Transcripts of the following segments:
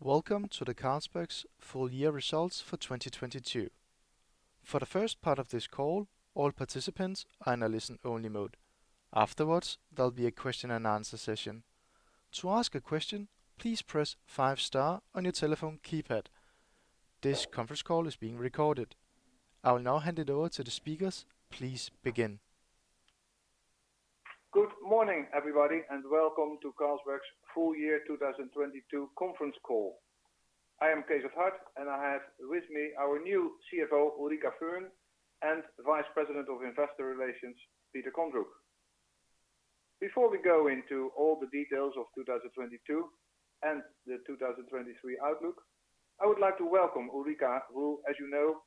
Welcome to the Carlsberg's full-year results for 2022. For the first part of this call, all participants are in a listen-only mode. Afterwards, there'll be a question and answer session. To ask a question, please press five star on your telephone keypad. This conference call is being recorded. I will now hand it over to the speakers. Please begin. Good morning, everybody. Welcome to Carlsberg's Full-Year 2022 conference call. I am Cees 't Hart. I have with me our new CFO, Ulrica Fearn, and Vice President of Investor Relations, Peter Kondrup. Before we go into all the details of 2022 and the 2023 outlook, I would like to welcome Ulrica, who, as you know,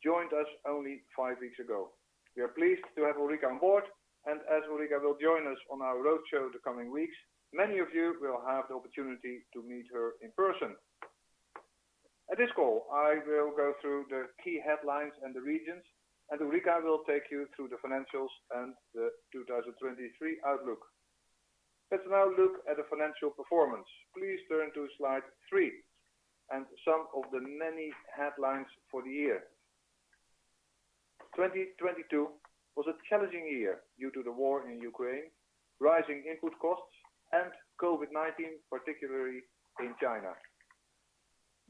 joined us only five weeks ago. We are pleased to have Ulrica on board. As Ulrica will join us on our roadshow the coming weeks, many of you will have the opportunity to meet her in person. At this call, I will go through the key headlines and the regions. Ulrica will take you through the financials and the 2023 outlook. Let's now look at the financial performance. Please turn to slide 3 and some of the many headlines for the year. 2022 was a challenging year due to the war in Ukraine, rising input costs, and COVID-19, particularly in China.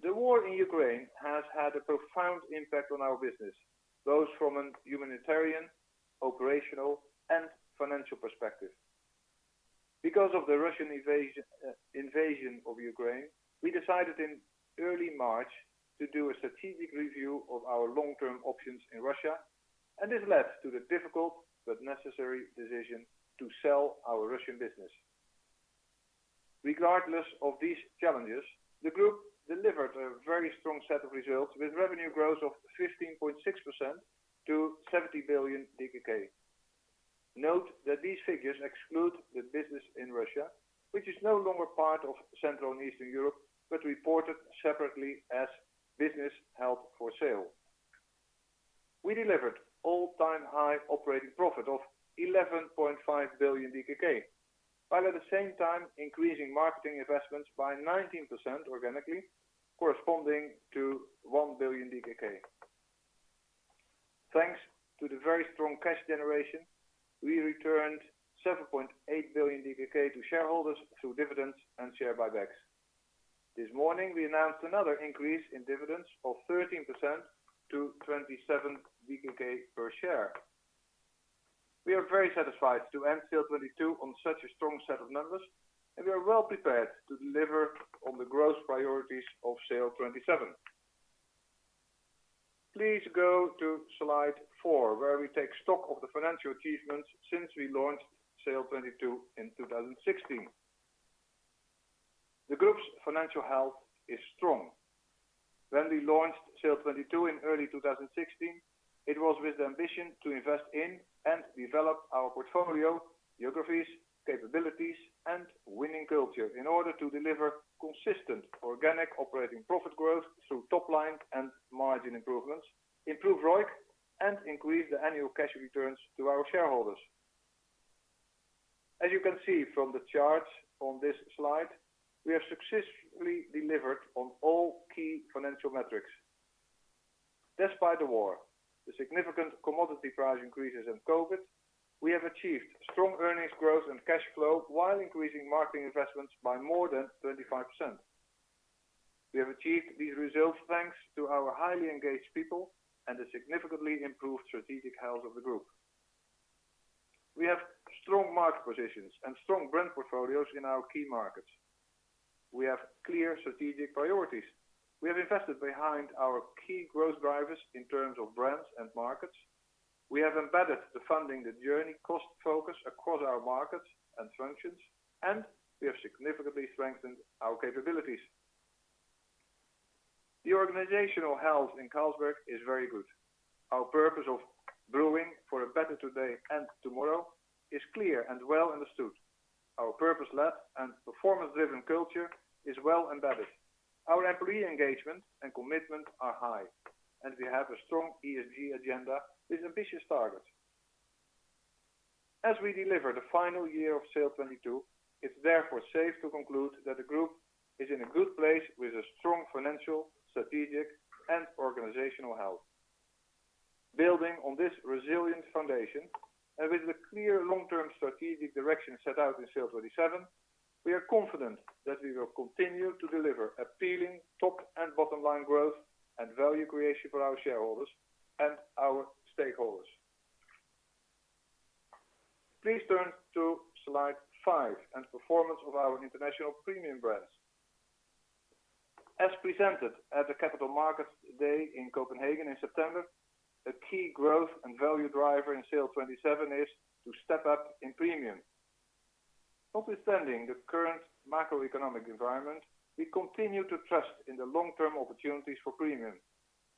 The war in Ukraine has had a profound impact on our business, both from a humanitarian, operational, and financial perspective. Because of the Russian invasion of Ukraine, we decided in early March to do a strategic review of our long-term options in Russia. This led to the difficult but necessary decision to sell our Russian business. Regardless of these challenges, the group delivered a very strong set of results with revenue growth of 15.6% to 70 billion DKK. Note that these figures exclude the business in Russia, which is no longer part of Central and Eastern Europe, but reported separately as business held for sale. We delivered all-time high operating profit of 11.5 billion DKK, while at the same time increasing marketing investments by 19% organically corresponding to 1 billion DKK. Thanks to the very strong cash generation, we returned 7.8 billion DKK to shareholders through dividends and share buybacks. This morning, we announced another increase in dividends of 13% to 27 DKK per share. We are very satisfied to end SAIL'22 on such a strong set of numbers. We are well-prepared to deliver on the growth priorities of SAIL'27. Please go to slide 4, where we take stock of the financial achievements since we launched SAIL'22 in 2016. The group's financial health is strong. When we launched SAIL'22 in early 2016, it was with the ambition to invest in and develop our portfolio, geographies, capabilities, and winning culture in order to deliver consistent organic operating profit growth through top-line and margin improvements, improve ROIC, and increase the annual cash returns to our shareholders. As you can see from the charts on this slide, we have successfully delivered on all key financial metrics. Despite the war, the significant commodity price increases in COVID, we have achieved strong earnings growth and cash flow while increasing marketing investments by more than 35%. We have achieved these results thanks to our highly engaged people and the significantly improved strategic health of the Group. We have strong market positions and strong brand portfolios in our key markets. We have clear strategic priorities. We have invested behind our key growth drivers in terms of brands and markets. We have embedded the Funding the Journey cost focus across our markets and functions, and we have significantly strengthened our capabilities. The organizational health in Carlsberg is very good. Our purpose of brewing for a better today and tomorrow is clear and well understood. Our purpose-led and performance-driven culture is well embedded. Our employee engagement and commitment are high, and we have a strong ESG agenda with ambitious targets. As we deliver the final year of SAIL'22, it's therefore safe to conclude that the group is in a good place with a strong financial, strategic, and organizational health. Building on this resilient foundation and with the clear long-term strategic direction set out in SAIL'27, we are confident that we will continue to deliver appealing top and bottom line growth and value creation for our shareholders and our stakeholders. Please turn to slide 5 and performance of our international premium brands. As presented at the Capital Markets Day in Copenhagen in September, a key growth and value driver in SAIL'27 is to step up in premium. Notwithstanding the current macroeconomic environment, we continue to trust in the long-term opportunities for premium,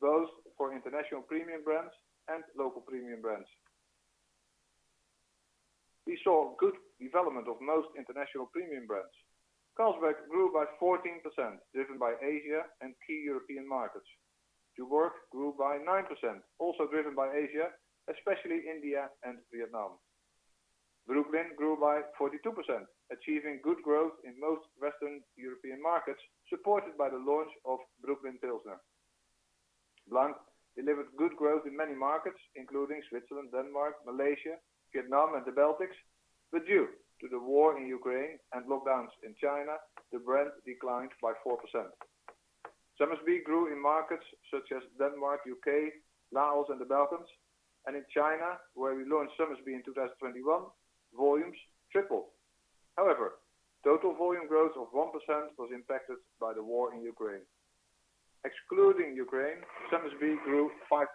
both for international premium brands and local premium brands. We saw good development of most international premium brands. Carlsberg grew by 14%, driven by Asia and key European markets. Tuborg grew by 9%, also driven by Asia, especially India and Vietnam. Brooklyn grew by 42%, achieving good growth in most Western European markets, supported by the launch of Brooklyn Pilsner. Blanc delivered good growth in many markets, including Switzerland, Denmark, Malaysia, Vietnam, and the Baltics. Due to the war in Ukraine and lockdowns in China, the brand declined by 4%. Somersby grew in markets such as Denmark, U.K., Laos, and the Balkans, and in China, where we launched Somersby in 2021, volumes tripled. However, total volume growth of 1% was impacted by the war in Ukraine. Excluding Ukraine, Somersby grew 5%.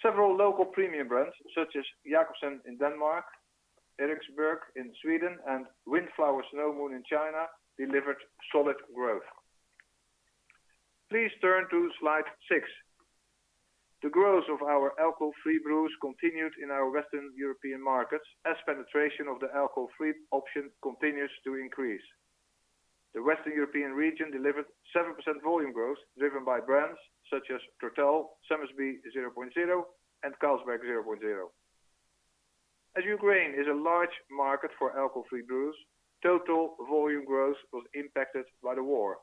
Several local premium brands, such as Jacobsen in Denmark, Eriksberg in Sweden, and Wind Flower Snow Moon in China, delivered solid growth. Please turn to slide 6. The growth of our alcohol-free brews continued in our Western European markets as penetration of the alcohol-free option continues to increase. The Western European region delivered 7% volume growth, driven by brands such as Grolsch, Somersby 0.0, and Carlsberg 0.0. As Ukraine is a large market for alcohol-free brews, total volume growth was impacted by the war.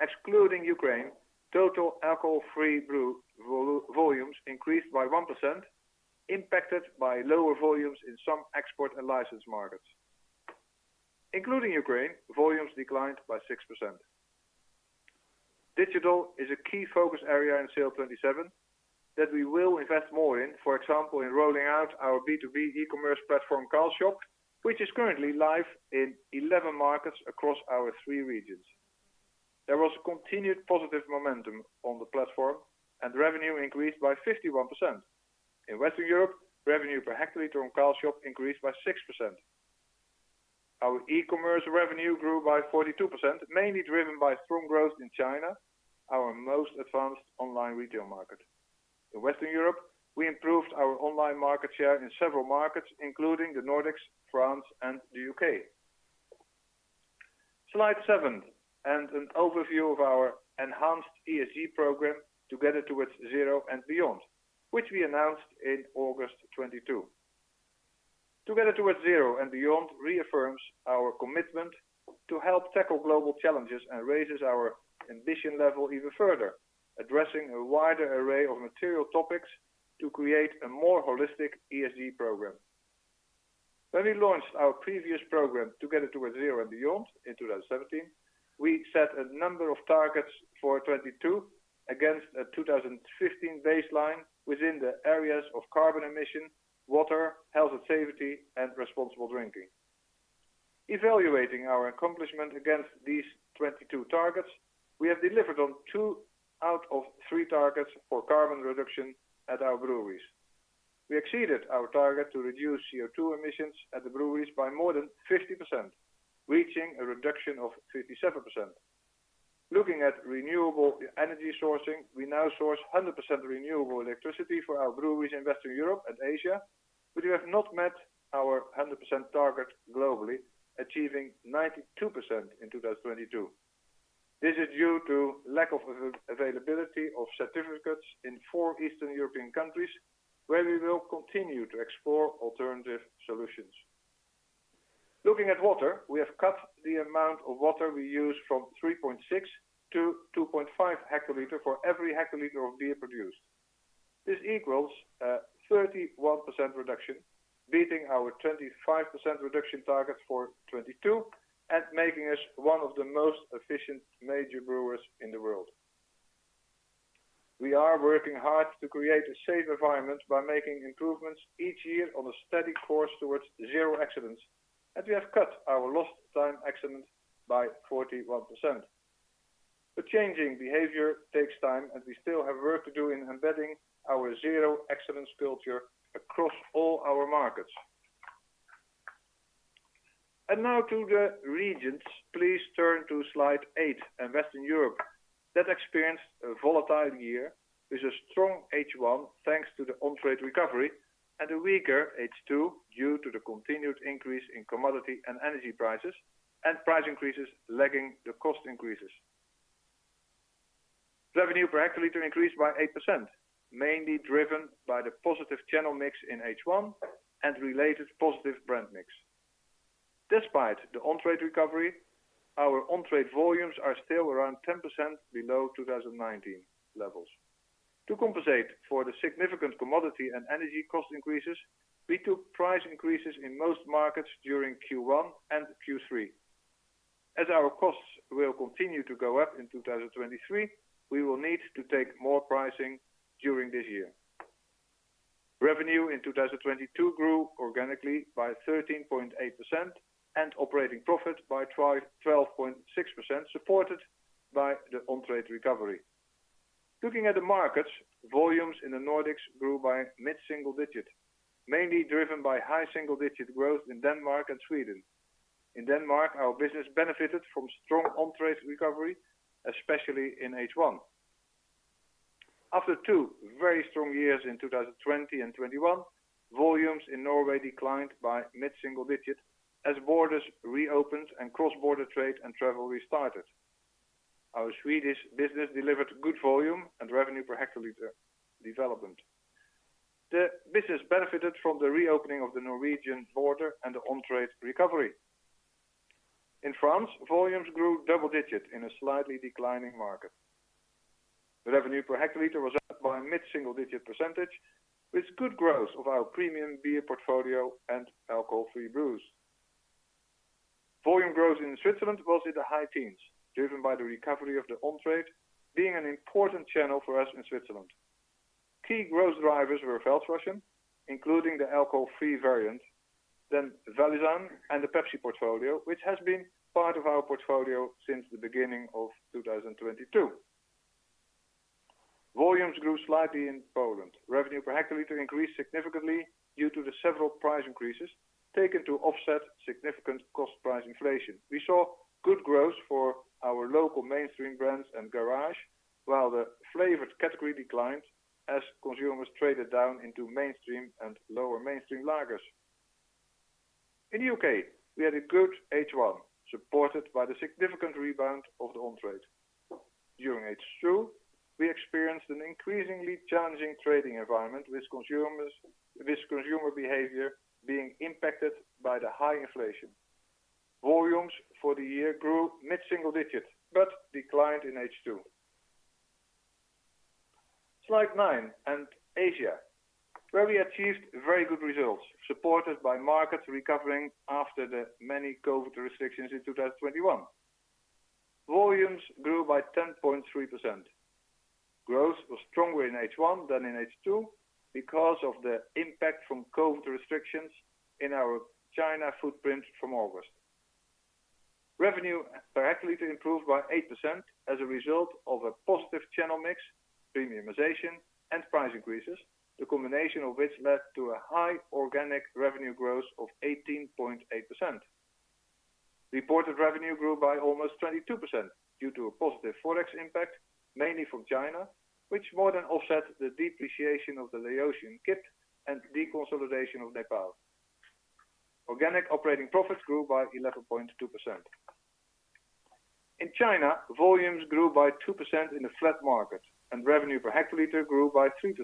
Excluding Ukraine, total alcohol-free brew volumes increased by 1%, impacted by lower volumes in some export and licensed markets. Including Ukraine, volumes declined by 6%. Digital is a key focus area in SAIL'27 that we will invest more in, for example, in rolling out our B2B e-commerce platform Carlshop, which is currently live in 11 markets across our three regions. There was a continued positive momentum on the platform, revenue increased by 51%. In Western Europe, revenue per hectoliter on Carlshop increased by 6%. Our e-commerce revenue grew by 42%, mainly driven by strong growth in China, our most advanced online retail market. In Western Europe, we improved our online market share in several markets, including the Nordics, France, and the U.K.. Slide 7, an overview of our enhanced ESG program, Together Towards ZERO and Beyond, which we announced in August 2022. Together Towards ZERO and Beyond reaffirms our commitment to help tackle global challenges and raises our ambition level even further, addressing a wider array of material topics to create a more holistic ESG program. When we launched our previous program, Together Towards ZERO and Beyond, in 2017, we set a number of targets for 2022 against a 2015 baseline within the areas of carbon emission, water, health and safety, and responsible drinking. Evaluating our accomplishment against these 22 targets, we have delivered on two out of three targets for carbon reduction at our breweries. We exceeded our target to reduce CO2 emissions at the breweries by more than 50%, reaching a reduction of 57%. Looking at renewable e-energy sourcing, we now source 100% renewable electricity for our breweries in Western Europe and Asia, but we have not met our 100% target globally, achieving 92% in 2022. This is due to lack of availability of certificates in four Eastern European countries, where we will continue to explore alternative solutions. Looking at water, we have cut the amount of water we use from 3.6 hectoliter to 2.5 hectoliter for every hectoliter of beer produced. This equals a 31% reduction, beating our 25% reduction target for 2022 and making us one of the most efficient major brewers in the world. We are working hard to create a safe environment by making improvements each year on a steady course towards zero accidents, we have cut our lost time accidents by 41%. Changing behavior takes time, we still have work to do in embedding our zero accidents culture across all our markets. Now to the regions. Please turn to slide 8 and Western Europe. That experienced a volatile year with a strong H1 thanks to the on-trade recovery and a weaker H2 due to the continued increase in commodity and energy prices and price increases lagging the cost increases. Revenue per hectoliter increased by 8%, mainly driven by the positive channel mix in H1 and related positive brand mix. Despite the on-trade recovery, our on-trade volumes are still around 10% below 2019 levels. To compensate for the significant commodity and energy cost increases, we took price increases in most markets during Q1 and Q3. As our costs will continue to go up in 2023, we will need to take more pricing during this year. Revenue in 2022 grew organically by 13.8% and operating profit by 12.6%, supported by the on-trade recovery. Looking at the markets, volumes in the Nordics grew by mid-single digit, mainly driven by high single-digit growth in Denmark and Sweden. In Denmark, our business benefited from strong on-trade recovery, especially in H1. After two very strong years in 2020 and 2021, volumes in Norway declined by mid-single digit % as borders reopened and cross-border trade and travel restarted. Our Swedish business delivered good volume and revenue per hectoliter development. The business benefited from the reopening of the Norwegian border and the on-trade recovery. In France, volumes grew double digit % in a slightly declining market. The revenue per hectoliter was up by a mid-single digit percentage, with good growth of our premium beer portfolio and alcohol-free brews. Volume growth in Switzerland was in the high teens, driven by the recovery of the on-trade being an important channel for us in Switzerland. Key growth drivers were Feldschlösschen, including the alcohol-free variant, then Valaisanne and the Pepsi portfolio, which has been part of our portfolio since the beginning of 2022. Volumes grew slightly in Poland. Revenue per hectolitre increased significantly due to the several price increases taken to offset significant cost price inflation. We saw good growth for our local mainstream brands and Garage, while the flavored category declined as consumers traded down into mainstream and lower mainstream lagers. In the U.K., we had a good H1, supported by the significant rebound of the on-trade. During H2, we experienced an increasingly challenging trading environment with consumer behavior being impacted by the high inflation. Volumes for the year grew mid-single digit, but declined in H2. Slide 9. Asia, where we achieved very good results, supported by markets recovering after the many COVID restrictions in 2021. Volumes grew by 10.3%. Growth was stronger in H1 than in H2 because of the impact from COVID restrictions in our China footprint from August. Revenue per hectolitre improved by 8% as a result of a positive channel mix, premiumization and price increases, the combination of which led to a high organic revenue growth of 18.8%. Reported revenue grew by almost 22% due to a positive forex impact, mainly from China, which more than offset the depreciation of the Laotian kip and deconsolidation of Nepal. Organic operating profits grew by 11.2%. In China, volumes grew by 2% in a flat market, and revenue per hectolitre grew by 3%.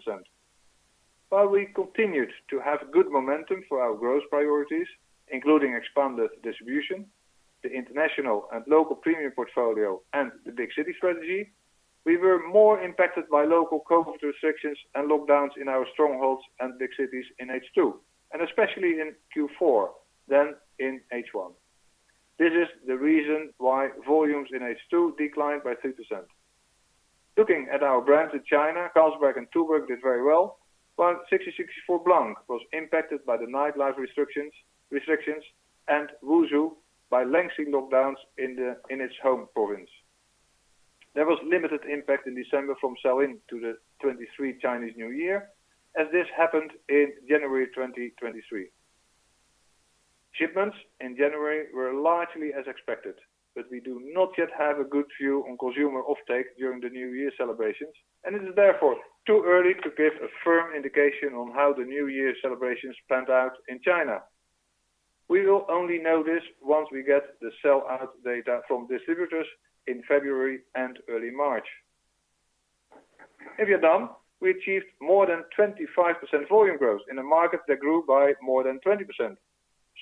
While we continued to have good momentum for our growth priorities, including expanded distribution, the international and local premium portfolio, and the big city strategy, we were more impacted by local COVID restrictions and lockdowns in our strongholds and big cities in H2, and especially in Q4 than in H1. This is the reason why volumes in H2 declined by 3%. Looking at our brands in China, Carlsberg and Tuborg did very well, while 1664 Blanc was impacted by the nightlife restrictions and Wusu by lengthy lockdowns in its home province. There was limited impact in December from sell-in to the 2023 Chinese New Year, as this happened in January 2023. Shipments in January were largely as expected, but we do not yet have a good view on consumer offtake during the new year celebrations, and it is therefore too early to give a firm indication on how the new year celebrations panned out in China. We will only know this once we get the sell out data from distributors in February and early March. In Vietnam, we achieved more than 25% volume growth in a market that grew by more than 20%,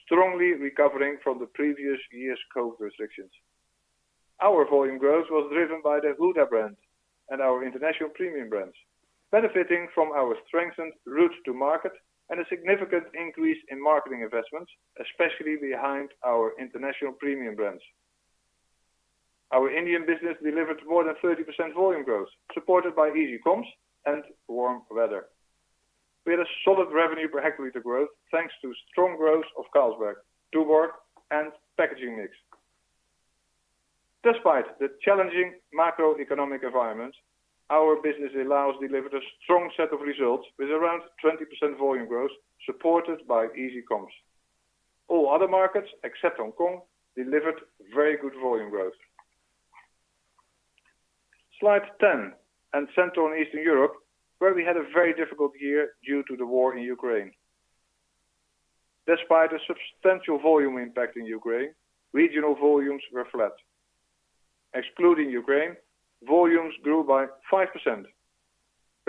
strongly recovering from the previous year's COVID restrictions. Our volume growth was driven by the Huda brand and our international premium brands, benefiting from our strengthened route to market and a significant increase in marketing investments, especially behind our international premium brands. Our Indian business delivered more than 30% volume growth, supported by easy comps and warm weather. We had a solid revenue per hectolitre growth, thanks to strong growth of Carlsberg, Tuborg, and packaging mix. Despite the challenging macroeconomic environment, our business in Laos delivered a strong set of results with around 20% volume growth supported by easy comps. All other markets, except Hong Kong, delivered very good volume growth. Slide 10 Central and Eastern Europe, where we had a very difficult year due to the war in Ukraine. Despite a substantial volume impact in Ukraine, regional volumes were flat. Excluding Ukraine, volumes grew by 5%.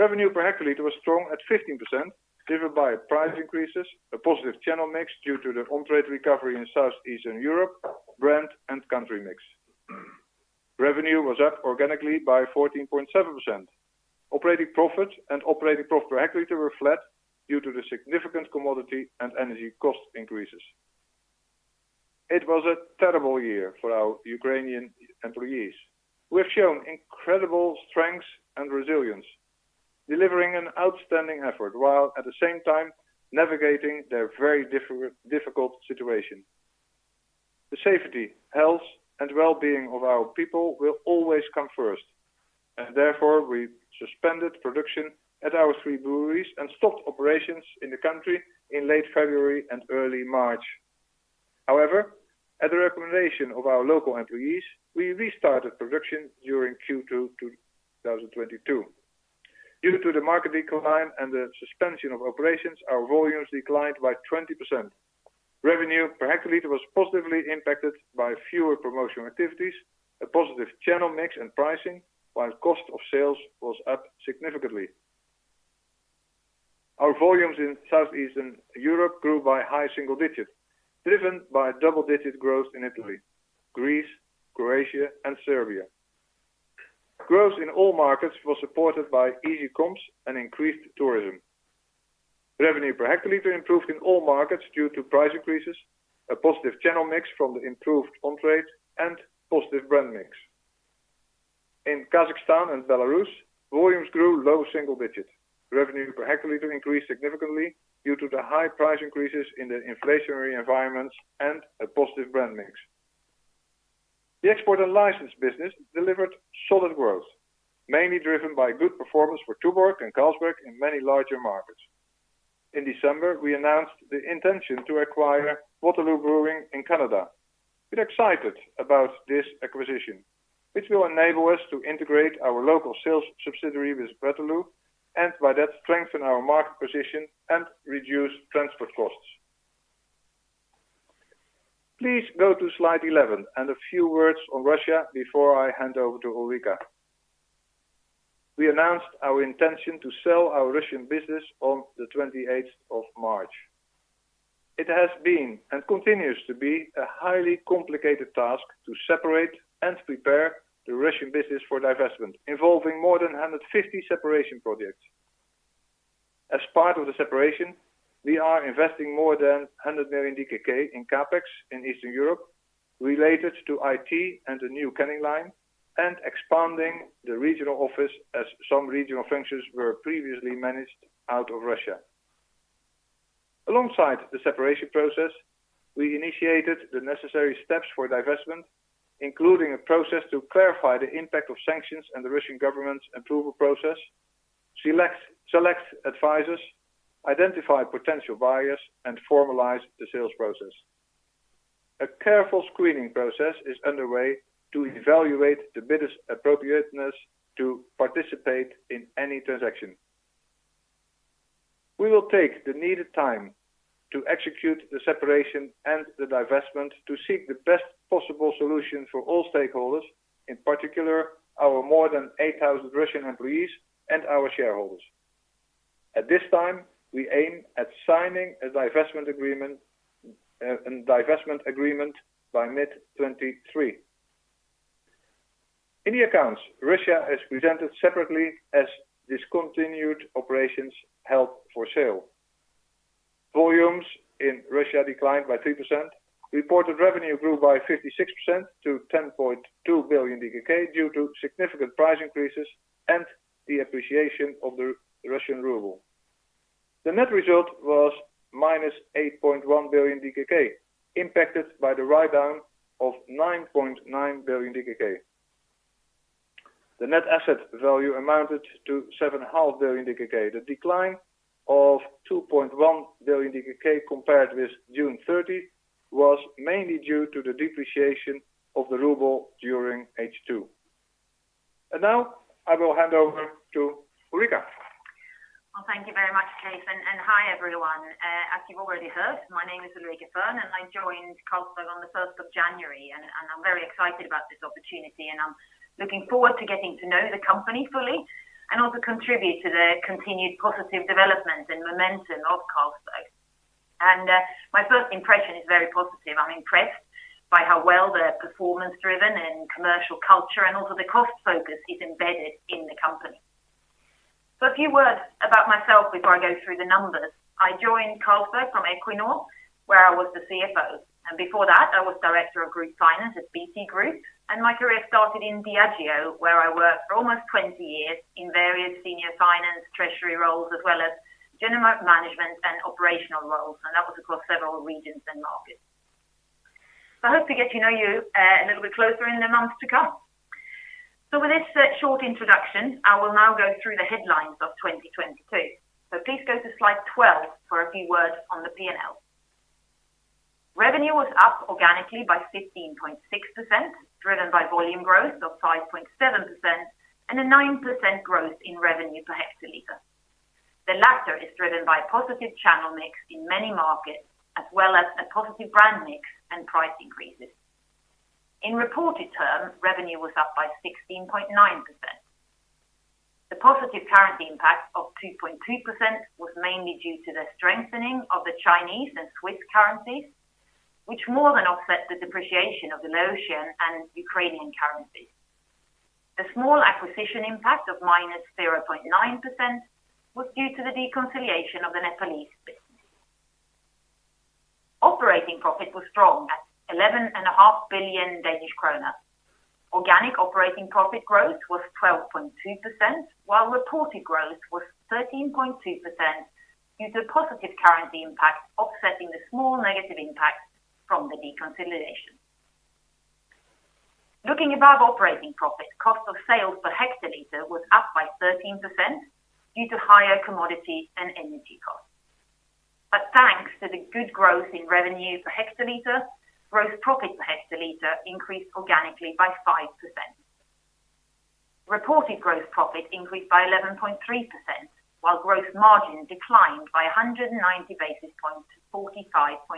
Revenue per hectoliter was strong at 15%, driven by price increases, a positive channel mix due to the on-trade recovery in Southeastern Europe, brand and country mix. Revenue was up organically by 14.7%. Operating profit and operating profit per hectoliter were flat due to the significant commodity and energy cost increases. It was a terrible year for our Ukrainian employees, who have shown incredible strength and resilience, delivering an outstanding effort while at the same time navigating their very difficult situation. The safety, health, and well-being of our people will always come first, and therefore we suspended production at our three breweries and stopped operations in the country in late February and early March. At the recommendation of our local employees, we restarted production during Q2 2022. Due to the market decline and the suspension of operations, our volumes declined by 20%. Revenue per hectoliter was positively impacted by fewer promotional activities, a positive channel mix, and pricing, while cost of sales was up significantly. Our volumes in Southeastern Europe grew by high single digits, driven by double-digit growth in Italy, Greece, Croatia, and Serbia. Growth in all markets was supported by easy comps and increased tourism. Revenue per hectoliter improved in all markets due to price increases, a positive channel mix from the improved on-trade, and positive brand mix. In Kazakhstan and Belarus, volumes grew low single digits. Revenue per hectolitre increased significantly due to the high price increases in the inflationary environments and a positive brand mix. The export and license business delivered solid growth, mainly driven by good performance for Tuborg and Carlsberg in many larger markets. In December, we announced the intention to acquire Waterloo Brewing in Canada. We're excited about this acquisition, which will enable us to integrate our local sales subsidiary with Waterloo, and by that, strengthen our market position and reduce transport costs. Please go to slide 11 and a few words on Russia before I hand over to Ulrica. We announced our intention to sell our Russian business on the 28th of March. It has been and continues to be a highly complicated task to separate and prepare the Russian business for divestment, involving more than 150 separation projects. As part of the separation, we are investing more than 100 million DKK in CapEx in Eastern Europe related to IT and a new canning line and expanding the regional office as some regional functions were previously managed out of Russia. Alongside the separation process, we initiated the necessary steps for divestment, including a process to clarify the impact of sanctions and the Russian government's approval process, select advisors, identify potential buyers, and formalize the sales process. A careful screening process is underway to evaluate the bidders' appropriateness to participate in any transaction. We will take the needed time to execute the separation and the divestment to seek the best possible solution for all stakeholders, in particular, our more than 8,000 Russian employees and our shareholders. At this time, we aim at signing a divestment agreement by mid 2023. In the accounts, Russia is presented separately as discontinued operations held for sale. Volumes in Russia declined by 3%. Reported revenue grew by 56% to 10.2 billion DKK due to significant price increases and the appreciation of the Russian ruble. The net result was -8.1 billion DKK, impacted by the write-down of 9.9 billion DKK. The net asset value amounted to 7.5 billion DKK. The decline of 2.1 billion DKK compared with June 30 was mainly due to the depreciation of the ruble during H2. Now I will hand over to Ulrika. Well, thank you very much, Cees 't, and hi, everyone. As you've already heard, my name is Ulrica Fearn, and I joined Carlsberg on the first of January, and I'm very excited about this opportunity, and I'm looking forward to getting to know the company fully and also contribute to the continued positive development and momentum of Carlsberg. My first impression is very positive. I'm impressed by how well the performance-driven and commercial culture and also the cost focus is embedded in the company. A few words about myself before I go through the numbers. I joined Carlsberg from Equinor, where I was the CFO, and before that, I was Director of Group Finance at BT Group, and my career started in Diageo, where I worked for almost 20 years in various senior finance treasury roles, as well as general management and operational roles, and that was across several regions and markets. I hope to get to know you a little bit closer in the months to come. With this short introduction, I will now go through the headlines of 2022. Please go to slide 12 for a few words on the P&L. Revenue was up organically by 15.6%, driven by volume growth of 5.7% and a 9% growth in revenue per hectoliter. The latter is driven by positive channel mix in many markets, as well as a positive brand mix and price increases. In reported terms, revenue was up by 16.9%. The positive currency impact of 2.2% was mainly due to the strengthening of the Chinese and Swiss currencies, which more than offset the depreciation of the Norwegian and Ukrainian currencies. The small acquisition impact of -0.9% was due to the deconsolidation of the Nepalese business. Operating profit was strong at 11.5 billion Danish kroner. Organic operating profit growth was 12.2%, while reported growth was 13.2% due to positive currency impact offsetting the small negative impact from the deconsolidation. Looking above operating profit, cost of sales per hectolitre was up by 13% due to higher commodity and energy costs. Thanks to the good growth in revenue per hectoliter, gross profit per hectoliter increased organically by 5%. Reported gross profit increased by 11.3%, while gross margin declined by 190 basis points to 45.6%.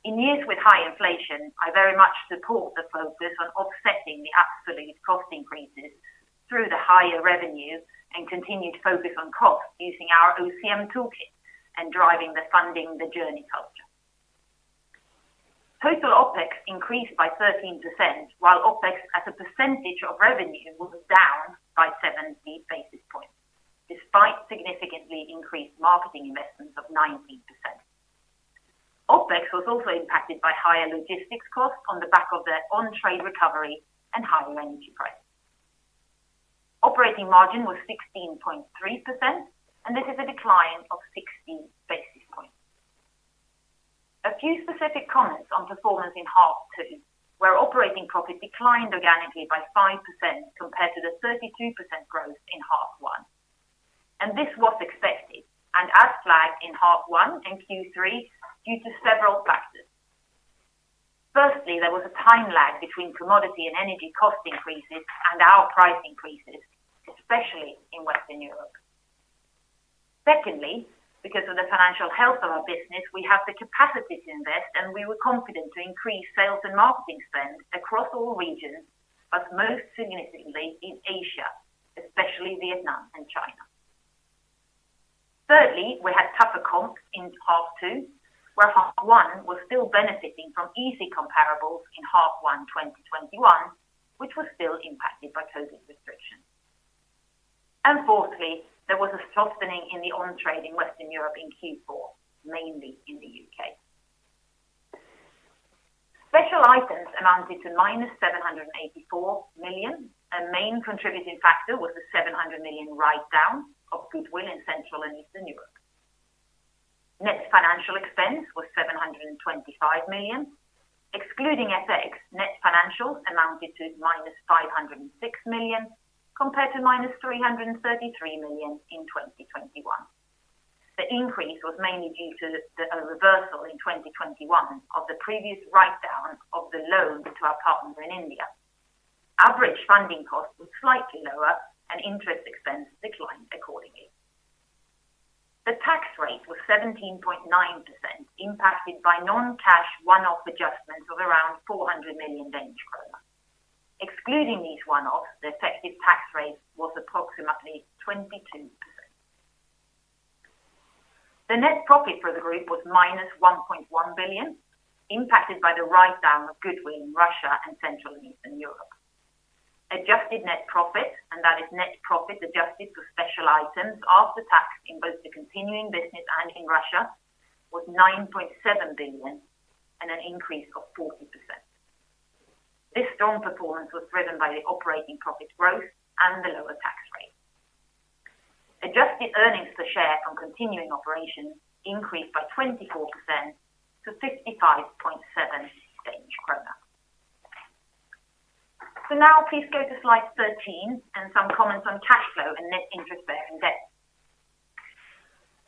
In years with high inflation, I very much support the focus on offsetting the absolute cost increases through the higher revenue and continued focus on costs using our OCM toolkit and driving the Funding the Journey culture. Total OpEx increased by 13%, while OpEx as a percentage of revenue was down by 70 basis points, despite significantly increased marketing investments of 19%. OpEx was also impacted by higher logistics costs on the back of the on-trade recovery and higher energy prices. Operating margin was 16.3%, and this is a decline of 60 basis points. A few specific comments on performance in half two, where operating profit declined organically by 5% compared to the 32% growth in half one. This was expected and as flagged in half one and Q3 due to several factors. Firstly, there was a time lag between commodity and energy cost increases and our price increases, especially in Western Europe. Secondly, because of the financial health of our business, we have the capacity to invest, and we were confident to increase sales and marketing spend across all regions, but most significantly in Asia, especially Vietnam and China. Thirdly, we had tougher comps in half two, where half one was still benefiting from easy comparables in half one 2021, which was still impacted by COVID restrictions. Fourthly, there was a softening in the on-trade in Western Europe in Q4, mainly in the U.K.. Special items amounted to -784 million. A main contributing factor was the 700 million write-down of goodwill in Central and Eastern Europe. Net financial expense was 725 million. Excluding FX, net financials amounted to -506 million, compared to -333 million in 2021. The increase was mainly due to the reversal in 2021 of the previous write-down of the loan to our partner in India. Average funding costs were slightly lower and interest expense declined accordingly. The tax rate was 17.9% impacted by non-cash one-off adjustments of around 400 million Danish kroner. Excluding these one-offs, the effective tax rate was approximately 22%. The net profit for the group was -1.1 billion, impacted by the write-down of goodwill in Russia and Central and Eastern Europe. Adjusted net profit, that is net profit adjusted for special items after tax in both the continuing business and in Russia, was 9.7 billion and an increase of 40%. This strong performance was driven by the operating profit growth and the lower tax rate. Adjusted earnings per share from continuing operations increased by 24% to 55.7 kroner. Now please go to slide 13 and some comments on cash flow and net interest-bearing debt.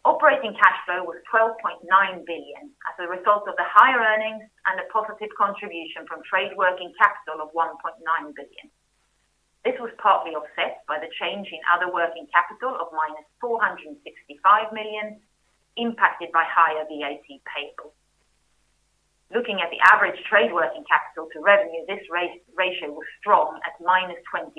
Operating cash flow was 12.9 billion as a result of the higher earnings and a positive contribution from trade working capital of 1.9 billion. This was partly offset by the change in other working capital of -465 million, impacted by higher VAT payable. Looking at the average trade working capital to revenue, this ratio was strong at -21.5%.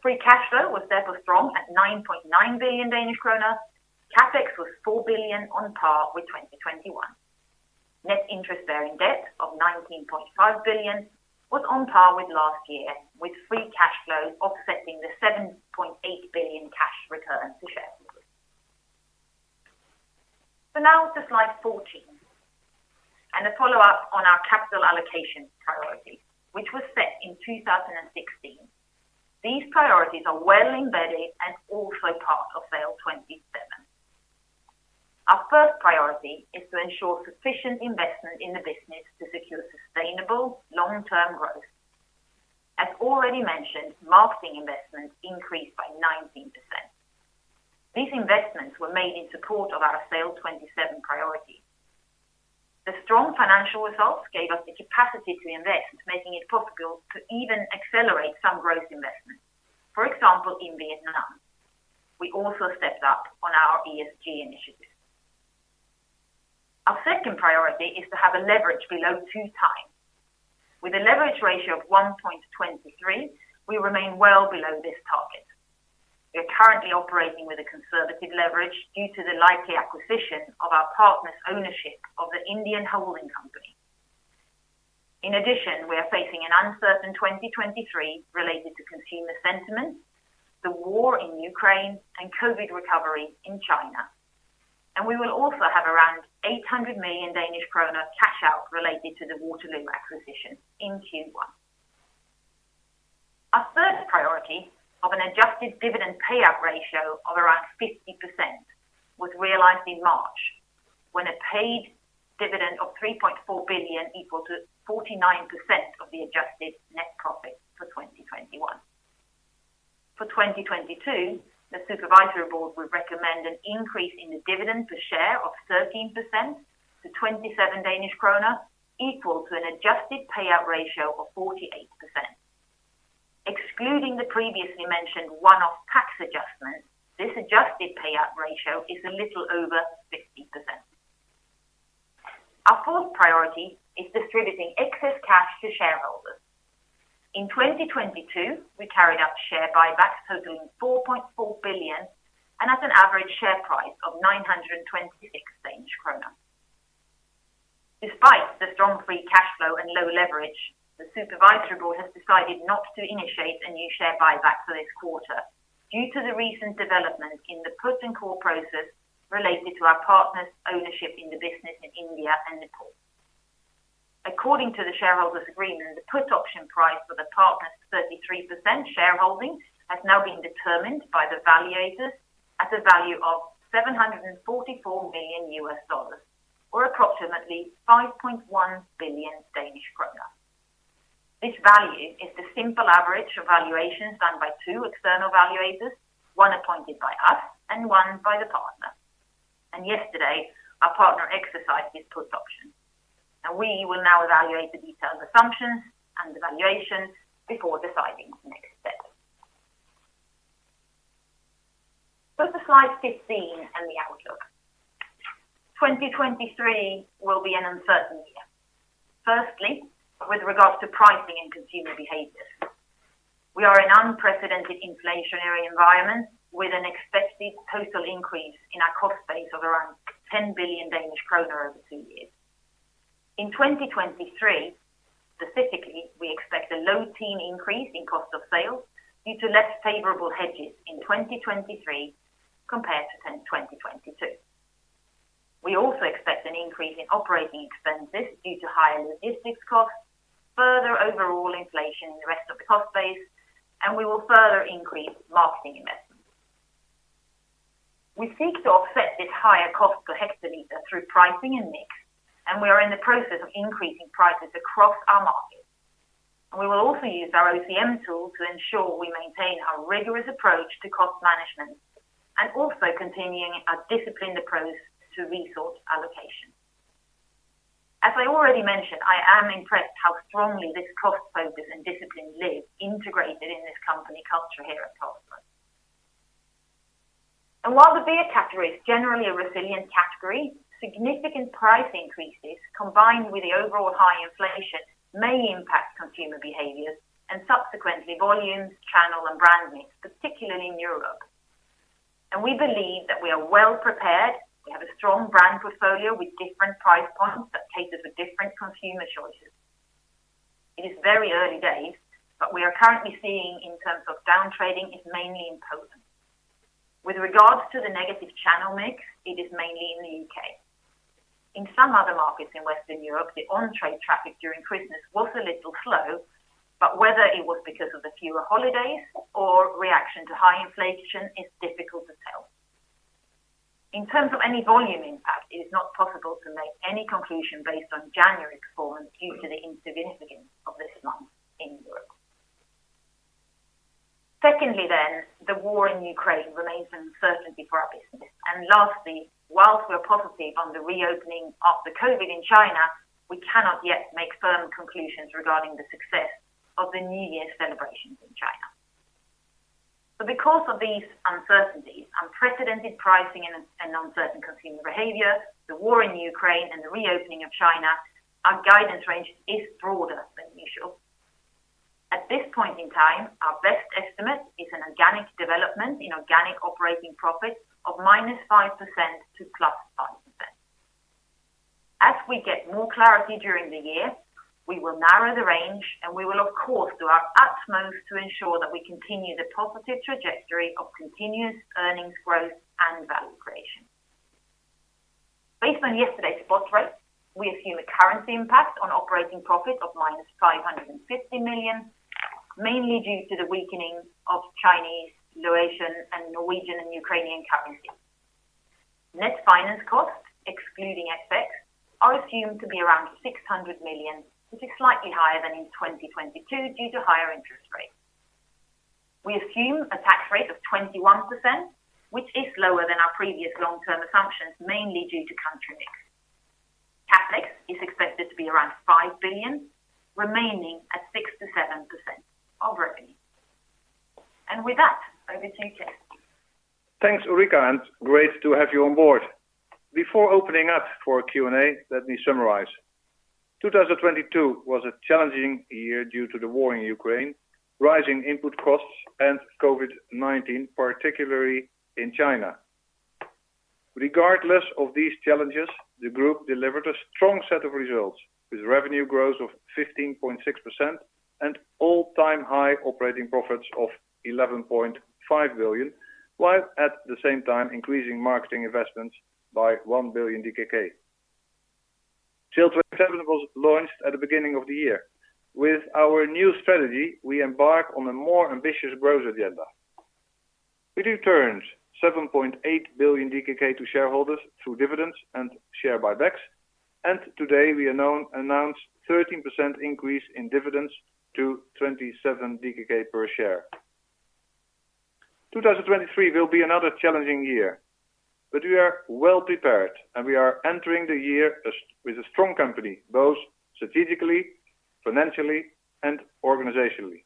Free cash flow was therefore strong at 9.9 billion Danish kroner. CapEx was 4 billion on par with 2021. Net interest bearing debt of 19.5 billion was on par with last year, with free cash flow offsetting the 7.8 billion cash return to shareholders. Now to slide 14 and a follow-up on our capital allocation priorities, which were set in 2016. These priorities are well embedded and also part of SAIL'27. Our first priority is to ensure sufficient investment in the business to secure sustainable long-term growth. As already mentioned, marketing investments increased by 19%. These investments were made in support of our SAIL'27 priority. The strong financial results gave us the capacity to invest, making it possible to even accelerate some growth investments. For example, in Vietnam. We also stepped up on our ESG initiatives. Our second priority is to have a leverage below 2x. With a leverage ratio of 1.23x, we remain well below this target. We are currently operating with a conservative leverage due to the likely acquisition of our partner's ownership of the Indian holding company. We are facing an uncertain 2023 related to consumer sentiment, the war in Ukraine, and COVID recovery in China. We will also have around 800 million Danish kroner cash out related to the Waterloo acquisition in Q1. Our third priority of an adjusted dividend payout ratio of around 50% was realized in March, when a paid dividend of 3.4 billion equal to 49% of the adjusted net profit for 2021. The supervisory board would recommend an increase in the dividend per share of 13% to 27 Danish kroner, equal to an adjusted payout ratio of 48%. Excluding the previously mentioned one-off tax adjustment, this adjusted payout ratio is a little over 50%. Our fourth priority is distributing excess cash to shareholders. In 2022, we carried out share buybacks totaling 4.4 billion and at an average share price of 926 Danish kroner. Despite the strong free cash flow and low leverage, the supervisory board has decided not to initiate a new share buyback for this quarter due to the recent developments in the put and call process related to our partner's ownership in the business in India and Nepal. According to the shareholders' agreement, the put option price for the partner's 33% shareholding has now been determined by the valuators at a value of $744 million, or approximately 5.1 billion Danish kroner. This value is the simple average of valuations done by two external valuators, one appointed by us and one by the partner. Yesterday, our partner exercised his put option, and we will now evaluate the detailed assumptions and the valuation before deciding the next steps. Go to slide 15 and the outlook. 2023 will be an uncertain year. Firstly, with regards to pricing and consumer behaviors. We are in unprecedented inflationary environment with an expected total increase in our cost base of around 10 billion Danish kroner over two years. In 2023, specifically, we expect a low-teen increase in COGS due to less favorable hedges in 2023 compared to 2022. We also expect an increase in OpEx due to higher logistics costs, further overall inflation in the rest of the cost base, and we will further increase marketing investments. We seek to offset this higher cost per hectoliter through pricing and mix, and we are in the process of increasing prices across our markets. We will also use our OCM tool to ensure we maintain our rigorous approach to cost management, and also continuing our disciplined approach to resource allocation. As I already mentioned, I am impressed how strongly this cost focus and discipline lives integrated in this company culture here at Carlsberg. While the beer category is generally a resilient category, significant price increases combined with the overall high inflation may impact consumer behaviors and subsequently volumes, channel, and brand mix, particularly in Europe. We believe that we are well prepared. We have a strong brand portfolio with different price points that caters for different consumer choices. It is very early days, but we are currently seeing in terms of down trading is mainly in Poland. With regards to the negative channel mix, it is mainly in the U.K. In some other markets in Western Europe, the on-trade traffic during Christmas was a little slow, but whether it was because of the fewer holidays or reaction to high inflation is difficult to tell. In terms of any volume impact, it is not possible to make any conclusion based on January performance due to the insignificance of this month in Europe. Secondly, the war in Ukraine remains an uncertainty for our business. Lastly, whilst we're positive on the reopening of the COVID in China, we cannot yet make firm conclusions regarding the success of the New Year's celebrations in China. Because of these uncertainties, unprecedented pricing and uncertain consumer behavior, the war in Ukraine, and the reopening of China, our guidance range is broader than usual. At this point in time, our best estimate is an organic development in organic operating profit of -5% to +5%. As we get more clarity during the year, we will narrow the range, and we will of course do our utmost to ensure that we continue the positive trajectory of continuous earnings growth and value creation. Based on yesterday's spot rates, we assume a currency impact on operating profit of -550 million, mainly due to the weakening of Chinese, Malaysian, and Norwegian and Ukrainian currency. Net finance costs, excluding FX, are assumed to be around 600 million, which is slightly higher than in 2022 due to higher interest rates. We assume a tax rate of 21%, which is lower than our previous long-term assumptions, mainly due to country mix. CapEx is expected to be around 5 billion, remaining at 6%-7% of revenue. With that, over to you, Cees 't. Thanks, Ulrica, and great to have you on board. Before opening up for Q&A, let me summarize. 2022 was a challenging year due to the war in Ukraine, rising input costs, and COVID-19, particularly in China. Regardless of these challenges, the group delivered a strong set of results with revenue growth of 15.6% and all-time high operating profits of 11.5 billion, while at the same time increasing marketing investments by 1 billion DKK. SAIL'27 was launched at the beginning of the year. With our new strategy, we embark on a more ambitious growth agenda. We do terms 7.8 billion DKK to shareholders through dividends and share buybacks, and today we announce 13% increase in dividends to 27 DKK per share. 2023 will be another challenging year, but we are well prepared, and we are entering the year with a strong company, both strategically, financially, and organizationally.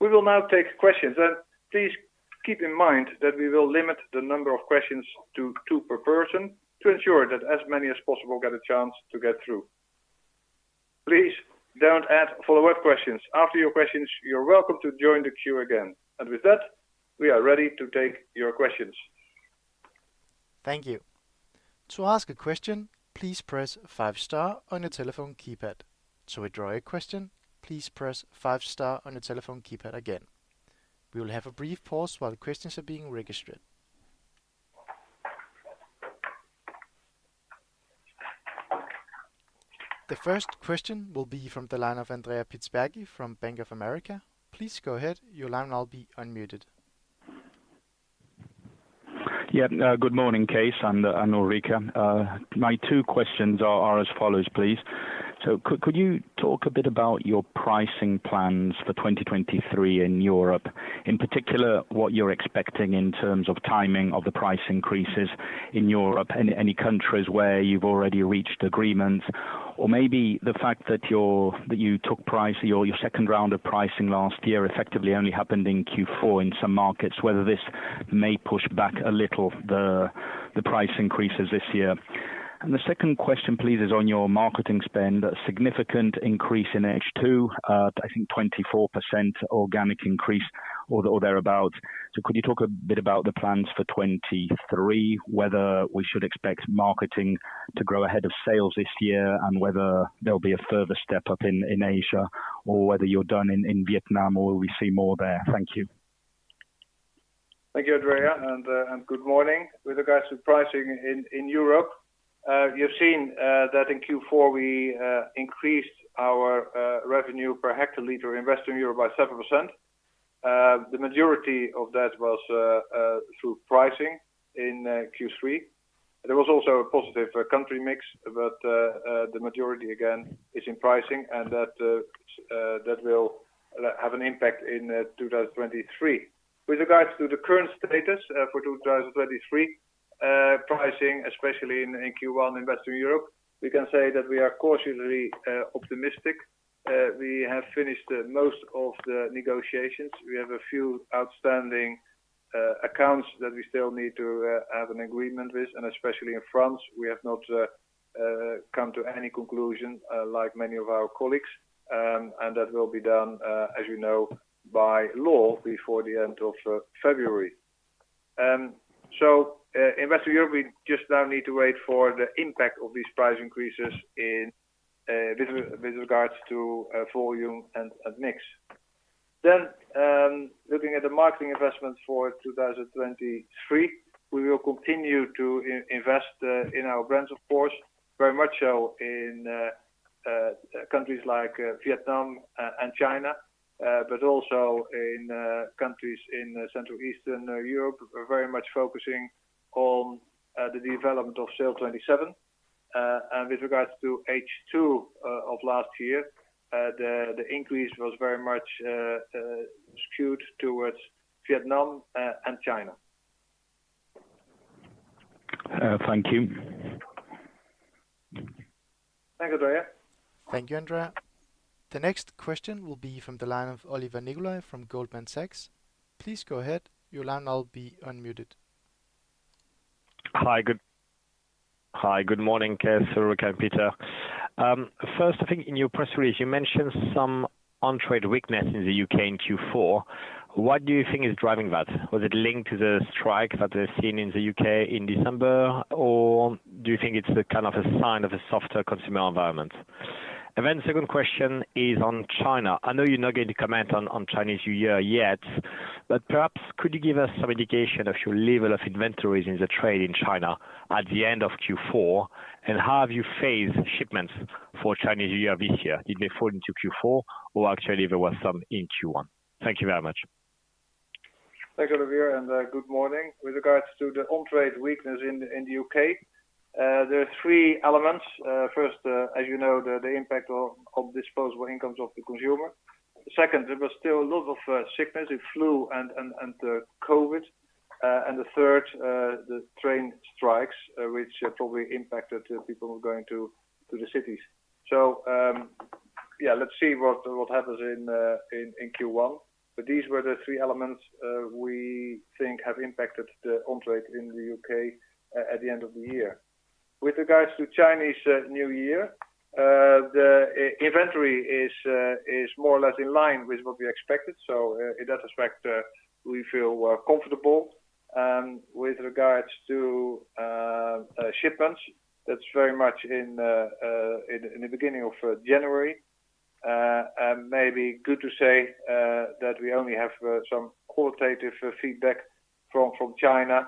We will now take questions. Please keep in mind that we will limit the number of questions to two per person to ensure that as many as possible get a chance to get through. Please don't add follow-up questions. After your questions, you're welcome to join the queue again. With that, we are ready to take your questions. Thank you. To ask a question, please press five star on your telephone keypad. To withdraw your question, please press five star on your telephone keypad again. We will have a brief pause while the questions are being registered. The first question will be from the line of Andrea Pistacchi from Bank of America. Please go ahead. Your line will now be unmuted. Yeah. Good morning, Cees 't and Ulrica. My two questions are as follows, please. Could you talk a bit about your pricing plans for 2023 in Europe, in particular what you're expecting in terms of timing of the price increases in Europe, any countries where you've already reached agreements? Or maybe the fact that you took price, your second round of pricing last year effectively only happened in Q4 in some markets, whether this may push back a little the price increases this year. The second question, please, is on your marketing spend, a significant increase in H2, I think 24% organic increase or thereabout. Could you talk a bit about the plans for 2023, whether we should expect marketing to grow ahead of sales this year, and whether there'll be a further step up in Asia, or whether you're done in Vietnam, or will we see more there? Thank you. Thank you, Andrea, and good morning. With regards to pricing in Europe, you've seen that in Q4 we increased our revenue per hectoliter in Western Europe by 7%. The majority of that was through pricing in Q3. There was also a positive country mix, but the majority again is in pricing and that will have an impact in 2023. With regards to the current status for 2023 pricing, especially in Q1 in Western Europe, we can say that we are cautiously optimistic. We have finished most of the negotiations. We have a few outstanding accounts that we still need to have an agreement with, and especially in France, we have not come to any conclusion, like many of our colleagues. That will be done, as you know, by law before the end of February. In Western Europe, we just now need to wait for the impact of these price increases with regards to volume and mix. Looking at the marketing investments for 2023, we will continue to invest in our brands of course, very much so in countries like Vietnam and China, but also in countries in Central Eastern Europe. We're very much focusing on the development of SAIL'27. With regards to H2 of last year, the increase was very much skewed towards Vietnam and China. Thank you. Thank you, Andrea. Thank you, Andrea. The next question will be from the line of Olivier Nicolaï from Goldman Sachs. Please go ahead. Your line will now be unmuted. Hi, good morning, Cees 't, Ulrica, and Peter. First I think in your press release, you mentioned some on-trade weakness in the U.K. in Q4. What do you think is driving that? Was it linked to the strike that was seen in the U.K. in December, or do you think it's the kind of a sign of a softer consumer environment? Second question is on China. I know you're not going to comment on Chinese New Year yet, but perhaps could you give us some indication of your level of inventories in the trade in China at the end of Q4, and how have you phased shipments for Chinese New Year this year? Did they fall into Q4, or actually there was some in Q1? Thank you very much. Thanks, Olivier, good morning. With regards to the on-trade weakness in the U.K., there are three elements. First, as you know, the impact of disposable incomes of the consumer. Second, there was still a lot of sickness with flu and COVID. Third, the train strikes, which probably impacted people going to the cities. Let's see what happens in Q1. These were the three elements we think have impacted the on-trade in the U.K. at the end of the year. With regards to Chinese New Year, the inventory is more or less in line with what we expected. In that respect, we feel comfortable. With regards to shipments, that's very much in the beginning of January. Maybe good to say that we only have some qualitative feedback from China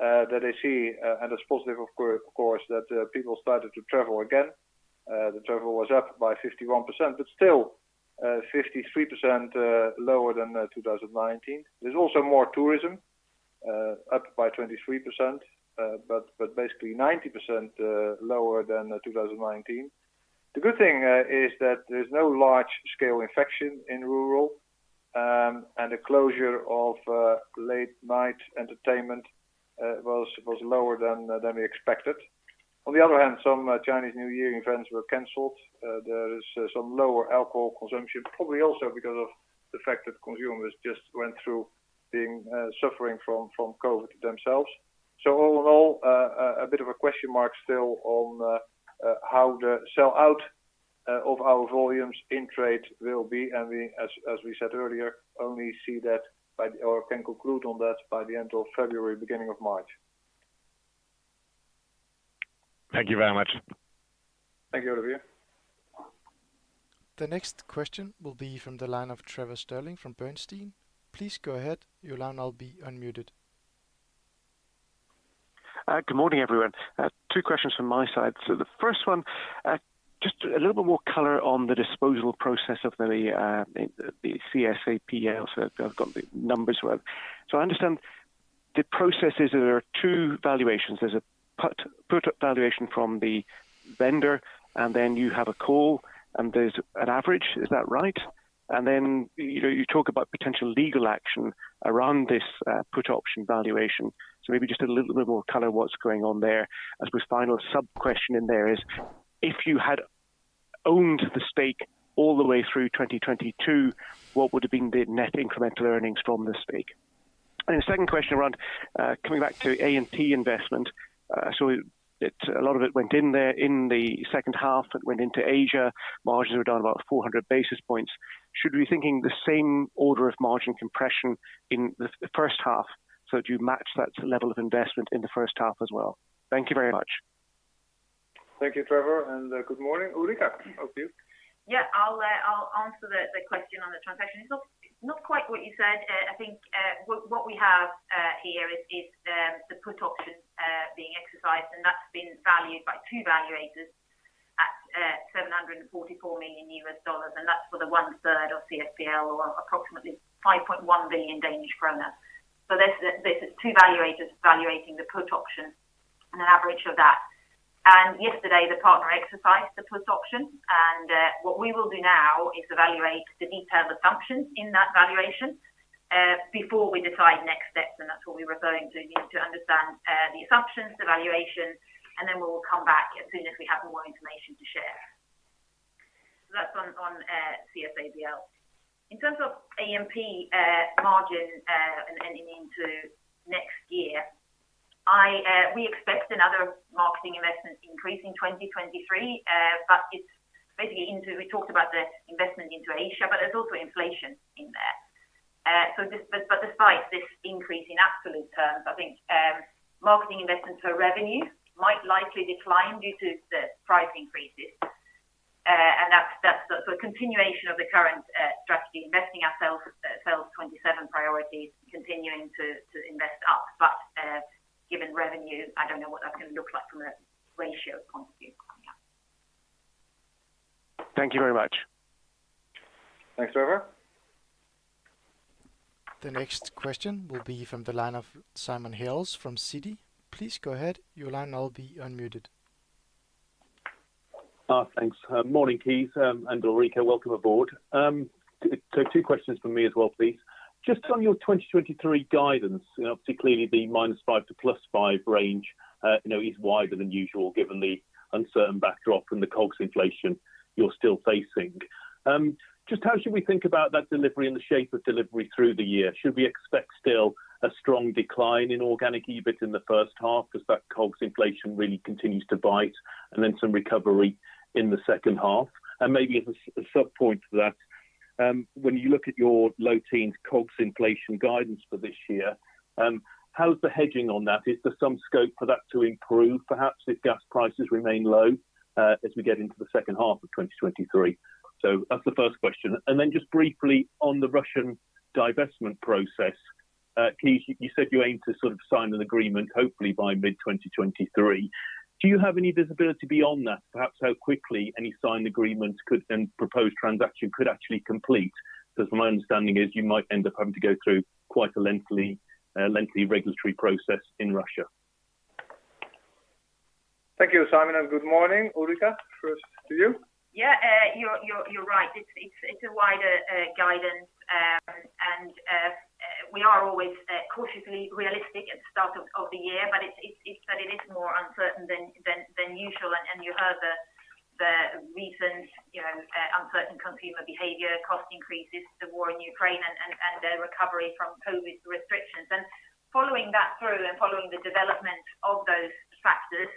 that they see, and it's positive of course, that people started to travel again. The travel was up by 51%, but still, 53% lower than 2019. There's also more tourism, up by 23%, but basically 90% lower than 2019. The good thing is that there's no large scale infection in rural. The closure of late night entertainment was lower than we expected. On the other hand, some Chinese New Year events were canceled. There is some lower alcohol consumption, probably also because of the fact that consumers just went through being suffering from COVID themselves. All in all, a bit of a question mark still on how the sell out of our volumes in trade will be. We as we said earlier, only see that by or can conclude on that by the end of February, beginning of March. Thank you very much. Thank you, Olivier. The next question will be from the line of Trevor Stirling from Bernstein. Please go ahead. Your line will be unmuted. Good morning, everyone. Two questions from my side. The first one, just a little bit more color on the disposal process of the CSAPL. I've got the numbers where I understand the processes, there are two valuations. There's a put valuation from the vendor, and then you have a call and there's an average. Is that right? Then, you know, you talk about potential legal action around this put option valuation. Maybe just a little bit more color what's going on there. As with final sub-question in there is, if you had owned the stake all the way through 2022, what would have been the net incremental earnings from the stake? The second question around coming back to A&P investment. A lot of it went in there in the second half that went into Asia. Margins were down about 400 basis points. Should we be thinking the same order of margin compression in the first half, do you match that level of investment in the first half as well? Thank you very much. Thank you, Trevor. Good morning. Ulrika, over to you. Yeah. I'll answer the question on the transaction. It's not quite what you said. I think what we have here is the put option being exercised, and that's been valued by two valuators at $744 million. That's for the 1/3 of CSPL or approximately 5.1 billion Danish kroner. This is two valuators valuating the put option and an average of that. Yesterday the partner exercised the put option. What we will do now is evaluate the detailed assumptions in that valuation before we decide next steps. That's what we're referring to, need to understand the assumptions, the valuation, and then we'll come back as soon as we have more information to share. That's on CSAPL. In terms of A&P margin, and heading into next year, we expect another marketing investment increase in 2023. We talked about the investment into Asia, but there's also inflation in there. Despite this increase in absolute terms, I think marketing investment for revenue might likely decline due to the price increases. That's the continuation of the current strategy, investing ourselves, SAIL'27 priorities continuing to invest up. Given revenue, I don't know what that's gonna look like from a ratio point of view on that. Thank you very much. Thanks, Trevor. The next question will be from the line of Simon Hales from Citi. Please go ahead. Your line will be unmuted. Thanks. Morning, Cees 't, and Ulrika. Welcome aboard. Two questions from me as well, please. Just on your 2023 guidance, you know, obviously clearly the -5% to +5% range, you know, is wider than usual given the uncertain backdrop from the COGS inflation you're still facing. Just how should we think about that delivery and the shape of delivery through the year? Should we expect still a strong decline in organic EBIT in the first half as that COGS inflation really continues to bite and then some recovery in the second half? Maybe as a sub point to that, when you look at your low teens COGS inflation guidance for this year, how's the hedging on that? Is there some scope for that to improve perhaps if gas prices remain low, as we get into the second half of 2023? That's the first question. Then just briefly on the Russian divestment process. Cees 't, you said you aim to sort of sign an agreement hopefully by mid 2023. Do you have any visibility beyond that? Perhaps how quickly any signed agreements could then propose transaction could actually complete? My understanding is you might end up having to go through quite a lengthy regulatory process in Russia. Thank you, Simon, and good morning. Ulrica, first to you. Yeah. You're right. It's a wider guidance. We are always cautiously realistic at the start of the year. It's that it is more uncertain than usual. You heard the recent, you know, uncertain consumer behavior, cost increases, the war in Ukraine and the recovery from COVID restrictions. Following that through and following the development of those factors,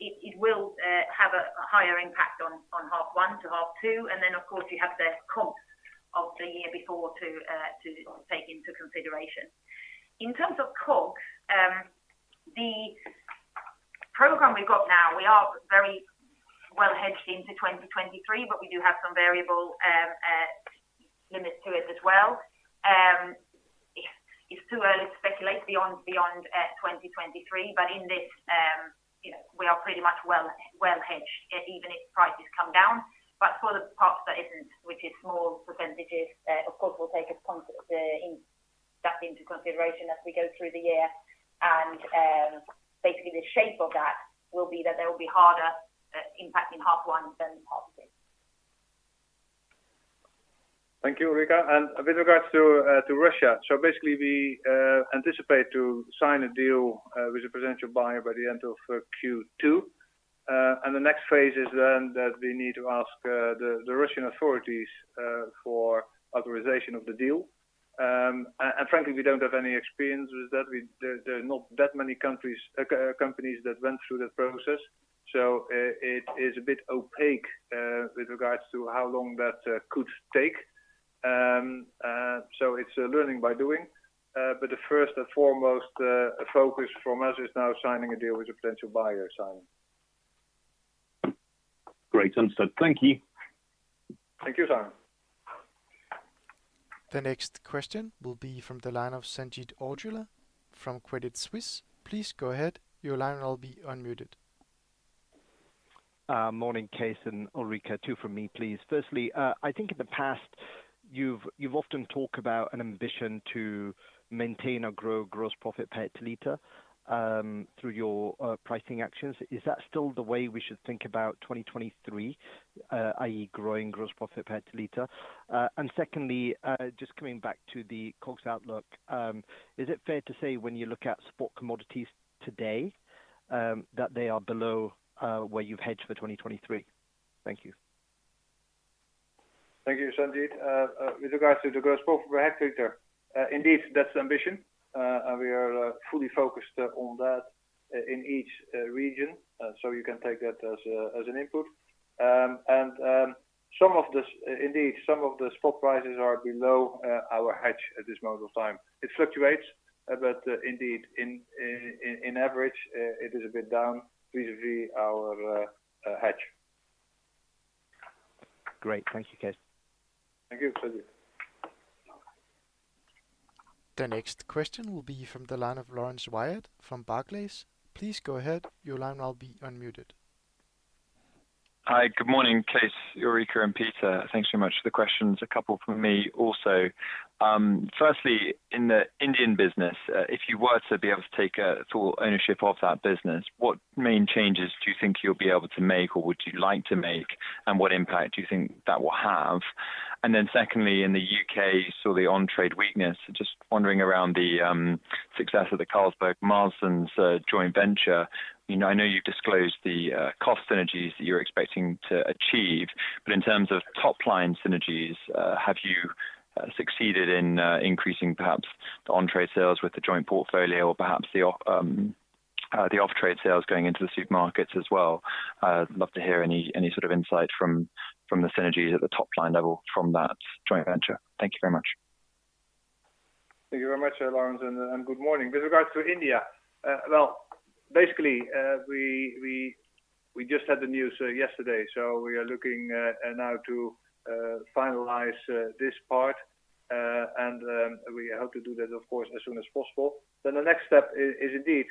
it will have a higher impact on half one to half two. Of course, you have the comps of the year before to take into consideration. In terms of COGS, the program we've got now, we are very well hedged into 2023, but we do have some variable limits to it as well. It's too early to speculate beyond 2023, but in this, you know, we are pretty much well hedged even if prices come down. For the parts that isn't, which is small percentages, of course, we'll take that into consideration as we go through the year. Basically, the shape of that will be that there will be harder impact in H1 than H2. Thank you, Ulrica. With regards to Russia. Basically we anticipate to sign a deal with a potential buyer by the end of Q2. The next phase is then that we need to ask the Russian authorities for authorization of the deal. Frankly, we don't have any experience with that. There are not that many companies that went through that process. It is a bit opaque with regards to how long that could take. It's learning by doing. The first and foremost focus from us is now signing a deal with a potential buyer, Simon. Great. Understood. Thank you. Thank you, Simon. The next question will be from the line of Sanjeet Aujla from Credit Suisse. Please go ahead. Your line will all be unmuted. Morning, Cees 't and Ulrika. Two from me, please. Firstly, I think in the past, you've often talked about an ambition to maintain or grow gross profit per hectare through your pricing actions. Is that still the way we should think about 2023, i.e. growing gross profit per hectare? Secondly, just coming back to the COGS outlook, is it fair to say when you look at spot commodities today, that they are below where you've hedged for 2023? Thank you. Thank you, Sanjeet. With regards to the gross profit per hectare, indeed, that's the ambition. We are fully focused on that in each region. You can take that as an input. Indeed, some of the spot prices are below our hedge at this moment of time. It fluctuates, but indeed, in average, it is a bit down vis-à-vis our hedge. Great. Thank you, Cees 't. Thank you, Sanjeet. The next question will be from the line of Laurence Whyatt from Barclays. Please go ahead. Your line will all be unmuted. Hi. Good morning, Cees 't, Ulrica, and Peter. Thanks very much for the questions. A couple from me also. Firstly, in the Indian business, if you were to be able to take full ownership of that business, what main changes do you think you'll be able to make or would you like to make, and what impact do you think that will have? Secondly, in the U.K., saw the on-trade weakness. Just wondering around the success of the Carlsberg Marston's joint venture. You know, I know you've disclosed the cost synergies that you're expecting to achieve, but in terms of top-line synergies, have you succeeded in increasing perhaps the on-trade sales with the joint portfolio or perhaps the off the off-trade sales going into the supermarkets as well? I'd love to hear any sort of insight from the synergies at the top-line level from that joint venture. Thank you very much. Thank you very much, Lawrence, good morning. With regards to India, well, basically, we just had the news yesterday, so we are looking now to finalize this part. We hope to do that, of course, as soon as possible. The next step is indeed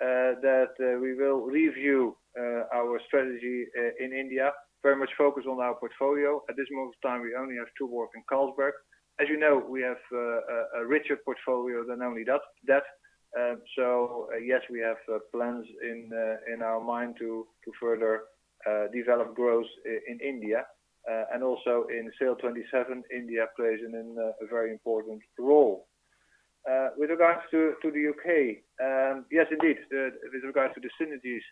that we will review our strategy in India, very much focus on our portfolio. At this moment of time, we only have two working, Carlsberg. As you know, we have a richer portfolio than only that. Yes, we have plans in our mind to further develop growth in India, and also in SAIL'27, India plays a very important role. With regards to the U.K., yes, indeed. With regards to the synergies,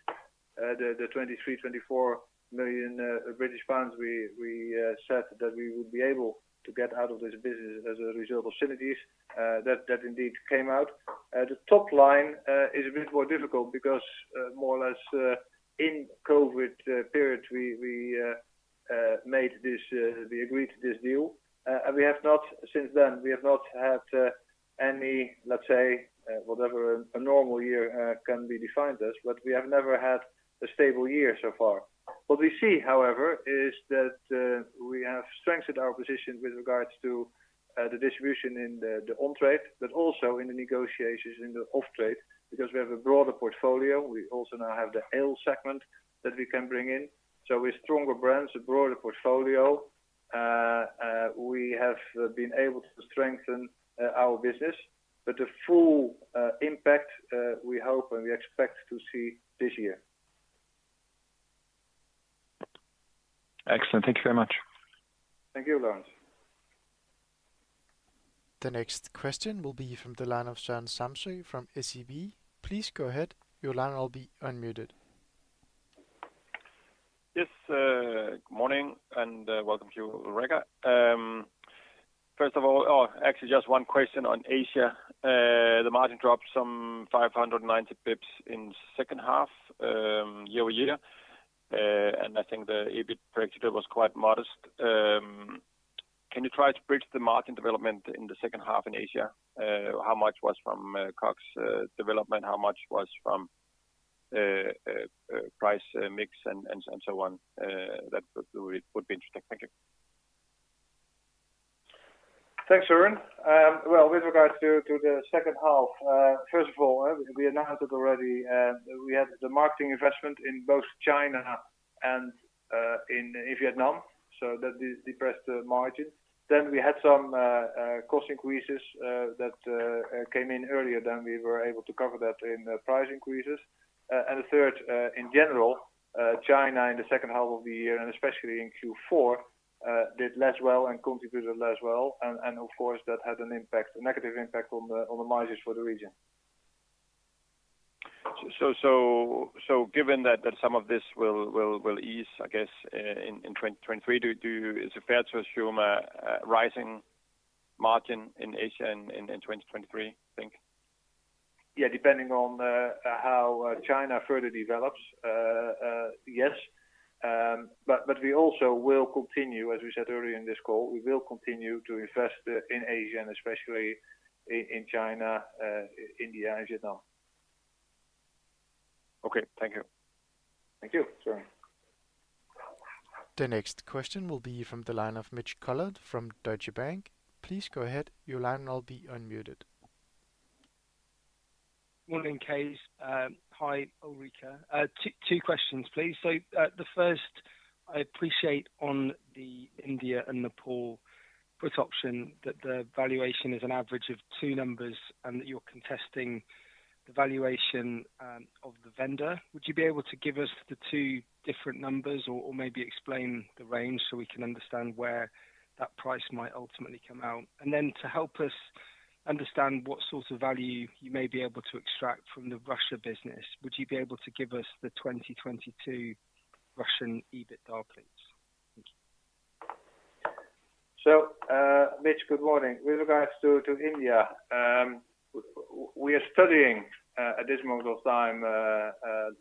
the 23 million British pounds- 24 million, we said that we would be able to get out of this business as a result of synergies. That indeed came out. The top line is a bit more difficult because more or less in COVID period, we made this, we agreed to this deal. Since then, we have not had any, let's say, whatever a normal year can be defined as, but we have never had a stable year so far. What we see, however, is that we have strengthened our position with regards to the distribution in the on-trade, but also in the negotiations in the off-trade, because we have a broader portfolio. We also now have the ale segment that we can bring in. With stronger brands, a broader portfolio, we have been able to strengthen our business. The full impact, we hope and we expect to see this year. Excellent. Thank you very much. Thank you, Laurence. The next question will be from the line of Søren Samsøe from SEB. Please go ahead. Your line will all be unmuted. Good morning and welcome to you Ulrika. Actually just one question on Asia. The margin dropped some 590 pips in second half, year-over-year. I think the EBIT per hectare was quite modest. Can you try to bridge the margin development in the second half in Asia? How much was from COGS development? How much was from price mix and so on? That would be interesting. Thank you. Thanks, Søren. With regards to the second half, first of all, we announced it already. We had the marketing investment in both China and in Vietnam, so that depressed the margin. Then we had some cost increases that came in earlier than we were able to cover that in price increases. The third, in general, China in the second half of the year and especially in Q4, did less well and contributed less well. Of course, that had a negative impact on the margins for the region. Given that some of this will ease, I guess, in 2023, is it fair to assume a rising margin in Asia in 2023, you think? Yeah. Depending on how China further develops, yes. We also will continue, as we said earlier in this call, we will continue to invest in Asia and especially in China, India and Vietnam. Okay. Thank you. Thank you, Søren. The next question will be from the line of Mitch Collett from Deutsche Bank. Please go ahead. Your line will now be unmuted. Morning, Cees 't. Hi, Ulrika. two questions, please. The first, I appreciate on the India and Nepal put option that the valuation is an average of two numbers and that you're contesting the valuation of the vendor. Would you be able to give us the two different numbers or maybe explain the range so we can understand where that price might ultimately come out? Then to help us understand what sort of value you may be able to extract from the Russia business, would you be able to give us the 2022 Russian EBITDA please? Thank you. Mitch, good morning. With regards to India, we are studying at this moment of time,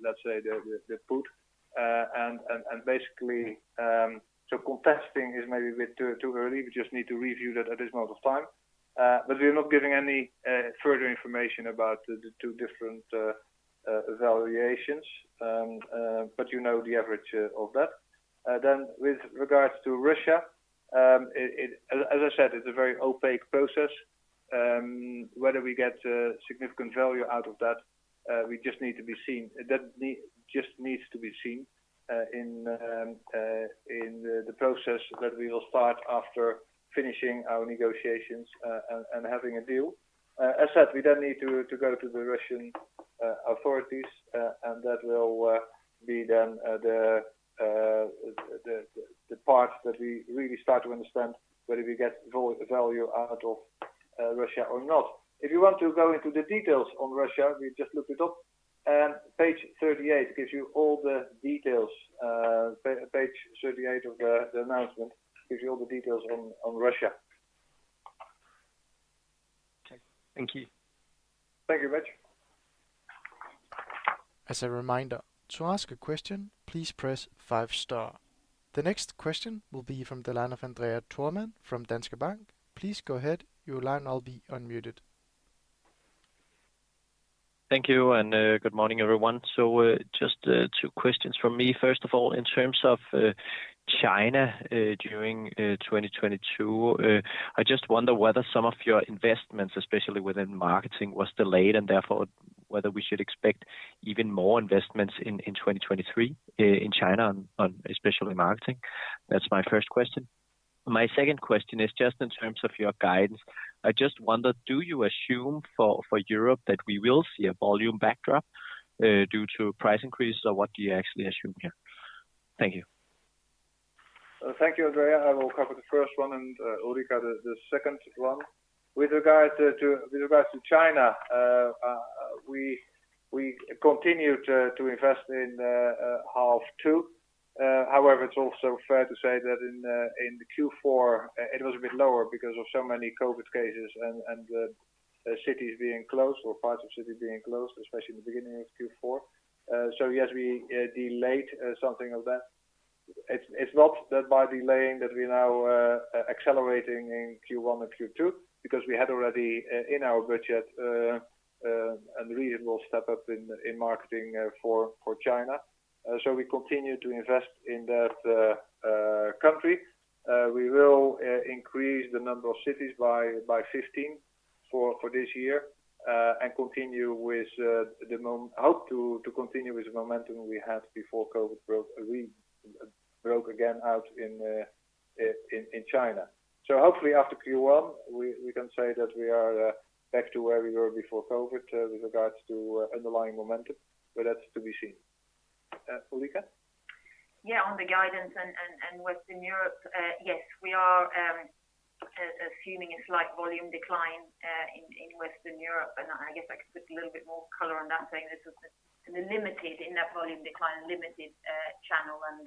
let's say the put, and and and basically, so contesting is maybe a bit too early. We just need to review that at this moment of time. But we are not giving any further information about the two different valuations. But you know the average of that. Then with regards to Russia, As I said, it's a very opaque process. Whether we get significant value out of that, we just need to be seen. That just needs to be seen in the process that we will start after finishing our negotiations, and having a deal. As said, we then need to go to the Russian authorities. That will, be then, the part that we really start to understand whether we get value out of Russia or not. If you want to go into the details on Russia, we just looked it up. Page 38 gives you all the details. Page 38 of the announcement gives you all the details on Russia. Okay. Thank you. Thank you, Mitch. As a reminder, to ask a question, please press five star. The next question will be from the line of André Thormann from Danske Bank. Please go ahead. Your line will now be unmuted. Thank you, and good morning, everyone. Just two questions from me. First of all, in terms of China, during 2022, I just wonder whether some of your investments, especially within marketing, was delayed and therefore whether we should expect even more investments in 2023 in China on especially marketing. That's my first question. My second question is just in terms of your guidance. I just wondered, do you assume for Europe that we will see a volume backdrop due to price increases, or what do you actually assume here? Thank you. Thank you, André. I will cover the first one, and Ulrika, the second one. With regards to China, we continued to invest in half two. However, it's also fair to say that in Q4, it was a bit lower because of so many COVID cases and the cities being closed or parts of cities being closed, especially in the beginning of Q4. Yes, we delayed something of that. It's not that by delaying that we're now accelerating in Q1 and Q2 because we had already in our budget a reasonable step up in marketing for China. We continue to invest in that country. We will increase the number of cities by 15 for this year, and continue with the momentum we hope to continue with the momentum we had before COVID broke, we broke again out in China. Hopefully after Q1, we can say that we are back to where we were before COVID, with regards to underlying momentum, but that's to be seen. Ulrika? Yeah. On the guidance and Western Europe, yes, we are assuming a slight volume decline in Western Europe. I guess I could put a little bit more color on that, saying this is a limited in that volume decline, a limited channel and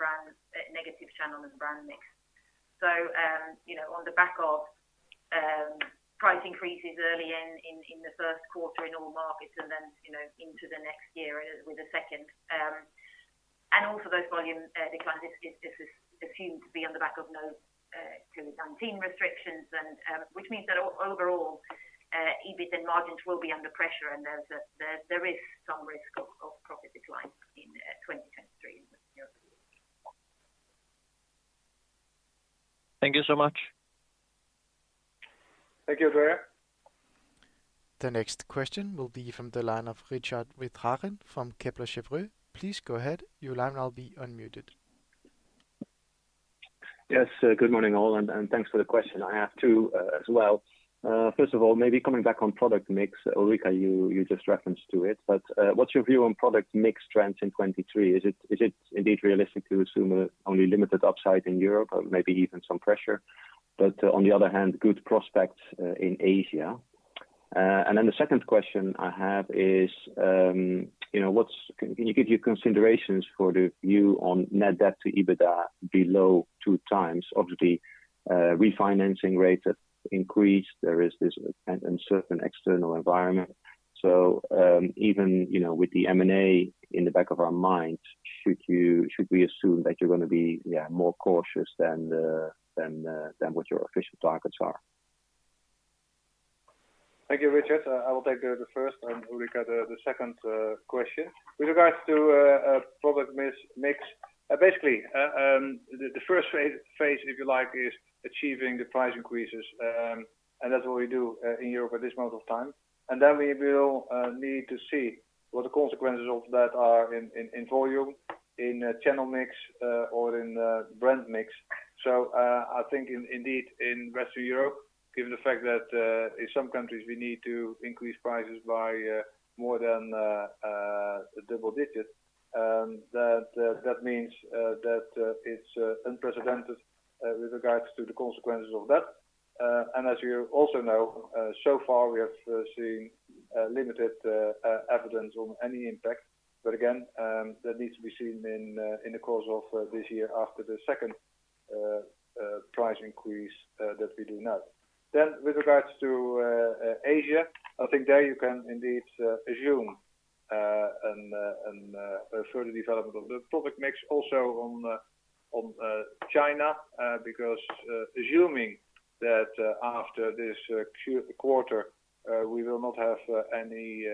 brand, negative channel and brand mix. you know, on the back of. Price increases early in the first quarter in all markets and then, you know, into the next year with a second. Also those volume declines is assumed to be on the back of no COVID-19 restrictions. Which means that overall EBIT and margins will be under pressure, and there is some risk of profit decline in 2023. Thank you so much. Thank you, André. The next question will be from the line of Richard Withagen from Kepler Cheuvreux. Please go ahead. Your line will now be unmuted. Good morning, all, and thanks for the question. I have two as well. First of all, maybe coming back on product mix, Ulrika, you just referenced to it, but what's your view on product mix trends in 2023? Is it indeed realistic to assume only limited upside in Europe or maybe even some pressure, but on the other hand, good prospects in Asia? The second question I have is, you know, Can you give your considerations for the view on net debt to EBITDA below 2x? Obviously, refinancing rates have increased. There is this uncertain external environment. Even, you know, with the M&A in the back of our minds, should we assume that you're gonna be more cautious than what your official targets are? Thank you, Richard. I will take the first and Ulrica the second question. With regards to product mis-mix, basically, the first phase, if you like, is achieving the price increases. That's what we do, in Europe at this moment of time. Then we will need to see what the consequences of that are in volume, in channel mix, or in brand mix. I think indeed, in Western Europe, given the fact that in some countries we need to increase prices by more than double digits, that means that it's unprecedented with regards to the consequences of that. As you also know, so far we have seen limited evidence on any impact. Again, that needs to be seen in the course of this year after the second price increase that we do now. With regards to Asia, I think there you can indeed assume a further development of the product mix also on China. Assuming that after this quarter, we will not have any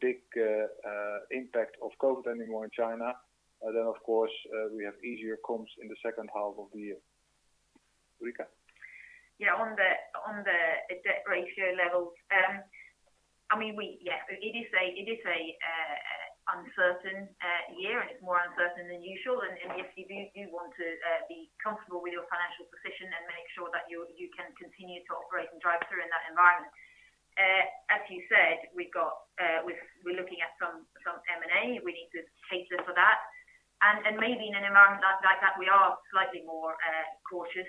big impact of COVID anymore in China, then of course, we have easier comps in the second half of the year. Ulrica? On the, on the debt ratio levels, I mean, it is a uncertain year, and it's more uncertain than usual. Yes, you do want to be comfortable with your financial position and make sure that you can continue to operate and drive through in that environment. As you said, we've got, we're looking at some M&A. We need to cater for that. Maybe in an environment like that, we are slightly more cautious.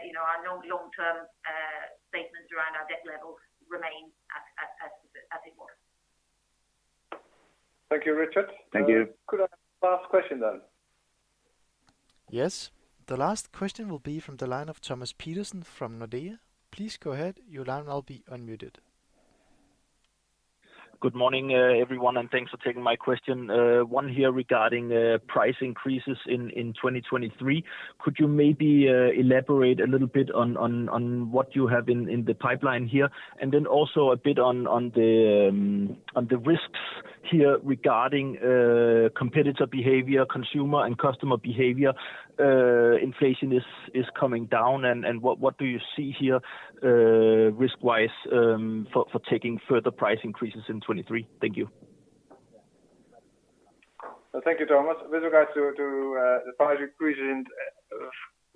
You know, our long-term statements around our debt levels remain as it was. Thank you, Richard. Thank you. Could I have the last question then? Yes. The last question will be from the line of Thomas Petersen from Nordea. Please go ahead. Your line will now be unmuted. Good morning, everyone, and thanks for taking my question. One here regarding price increases in 2023. Could you maybe elaborate a little bit on what you have in the pipeline here? Then also a bit on the risks here regarding competitor behavior, consumer and customer behavior. Inflation is coming down and what do you see here risk-wise for taking further price increases in 2023? Thank you. Thank you, Thomas. With regards to, the price increase,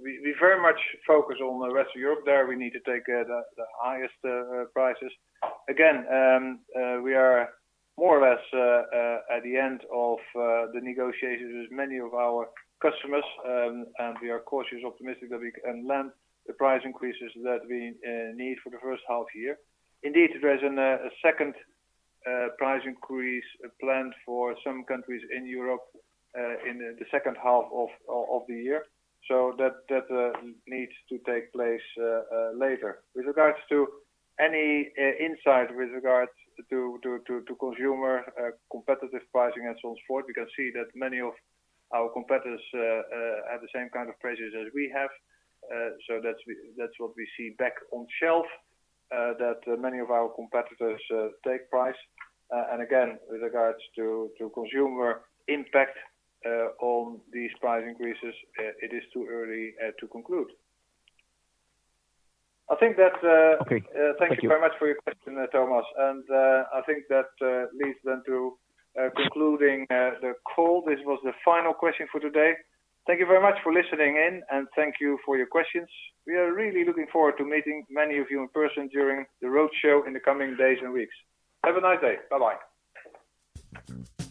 we very much focus on the rest of Europe. There we need to take the highest prices. Again, we are more or less at the end of the negotiations with many of our customers. We are cautiously optimistic that we can land the price increases that we need for the first half year. Indeed, there is a second price increase planned for some countries in Europe in the second half of the year, that needs to take place later. With regards to any insight with regards to consumer competitive pricing and so forth, we can see that many of our competitors have the same kind of pressures as we have. That's what we see back on shelf, that many of our competitors take price. Again, with regards to consumer impact on these price increases, it is too early to conclude. I think that. Okay. Thank you. Thank you very much for your question, Thomas. I think that leads to concluding the call. This was the final question for today. Thank you very much for listening in, and thank you for your questions. We are really looking forward to meeting many of you in person during the road show in the coming days and weeks. Have a nice day. Bye-bye.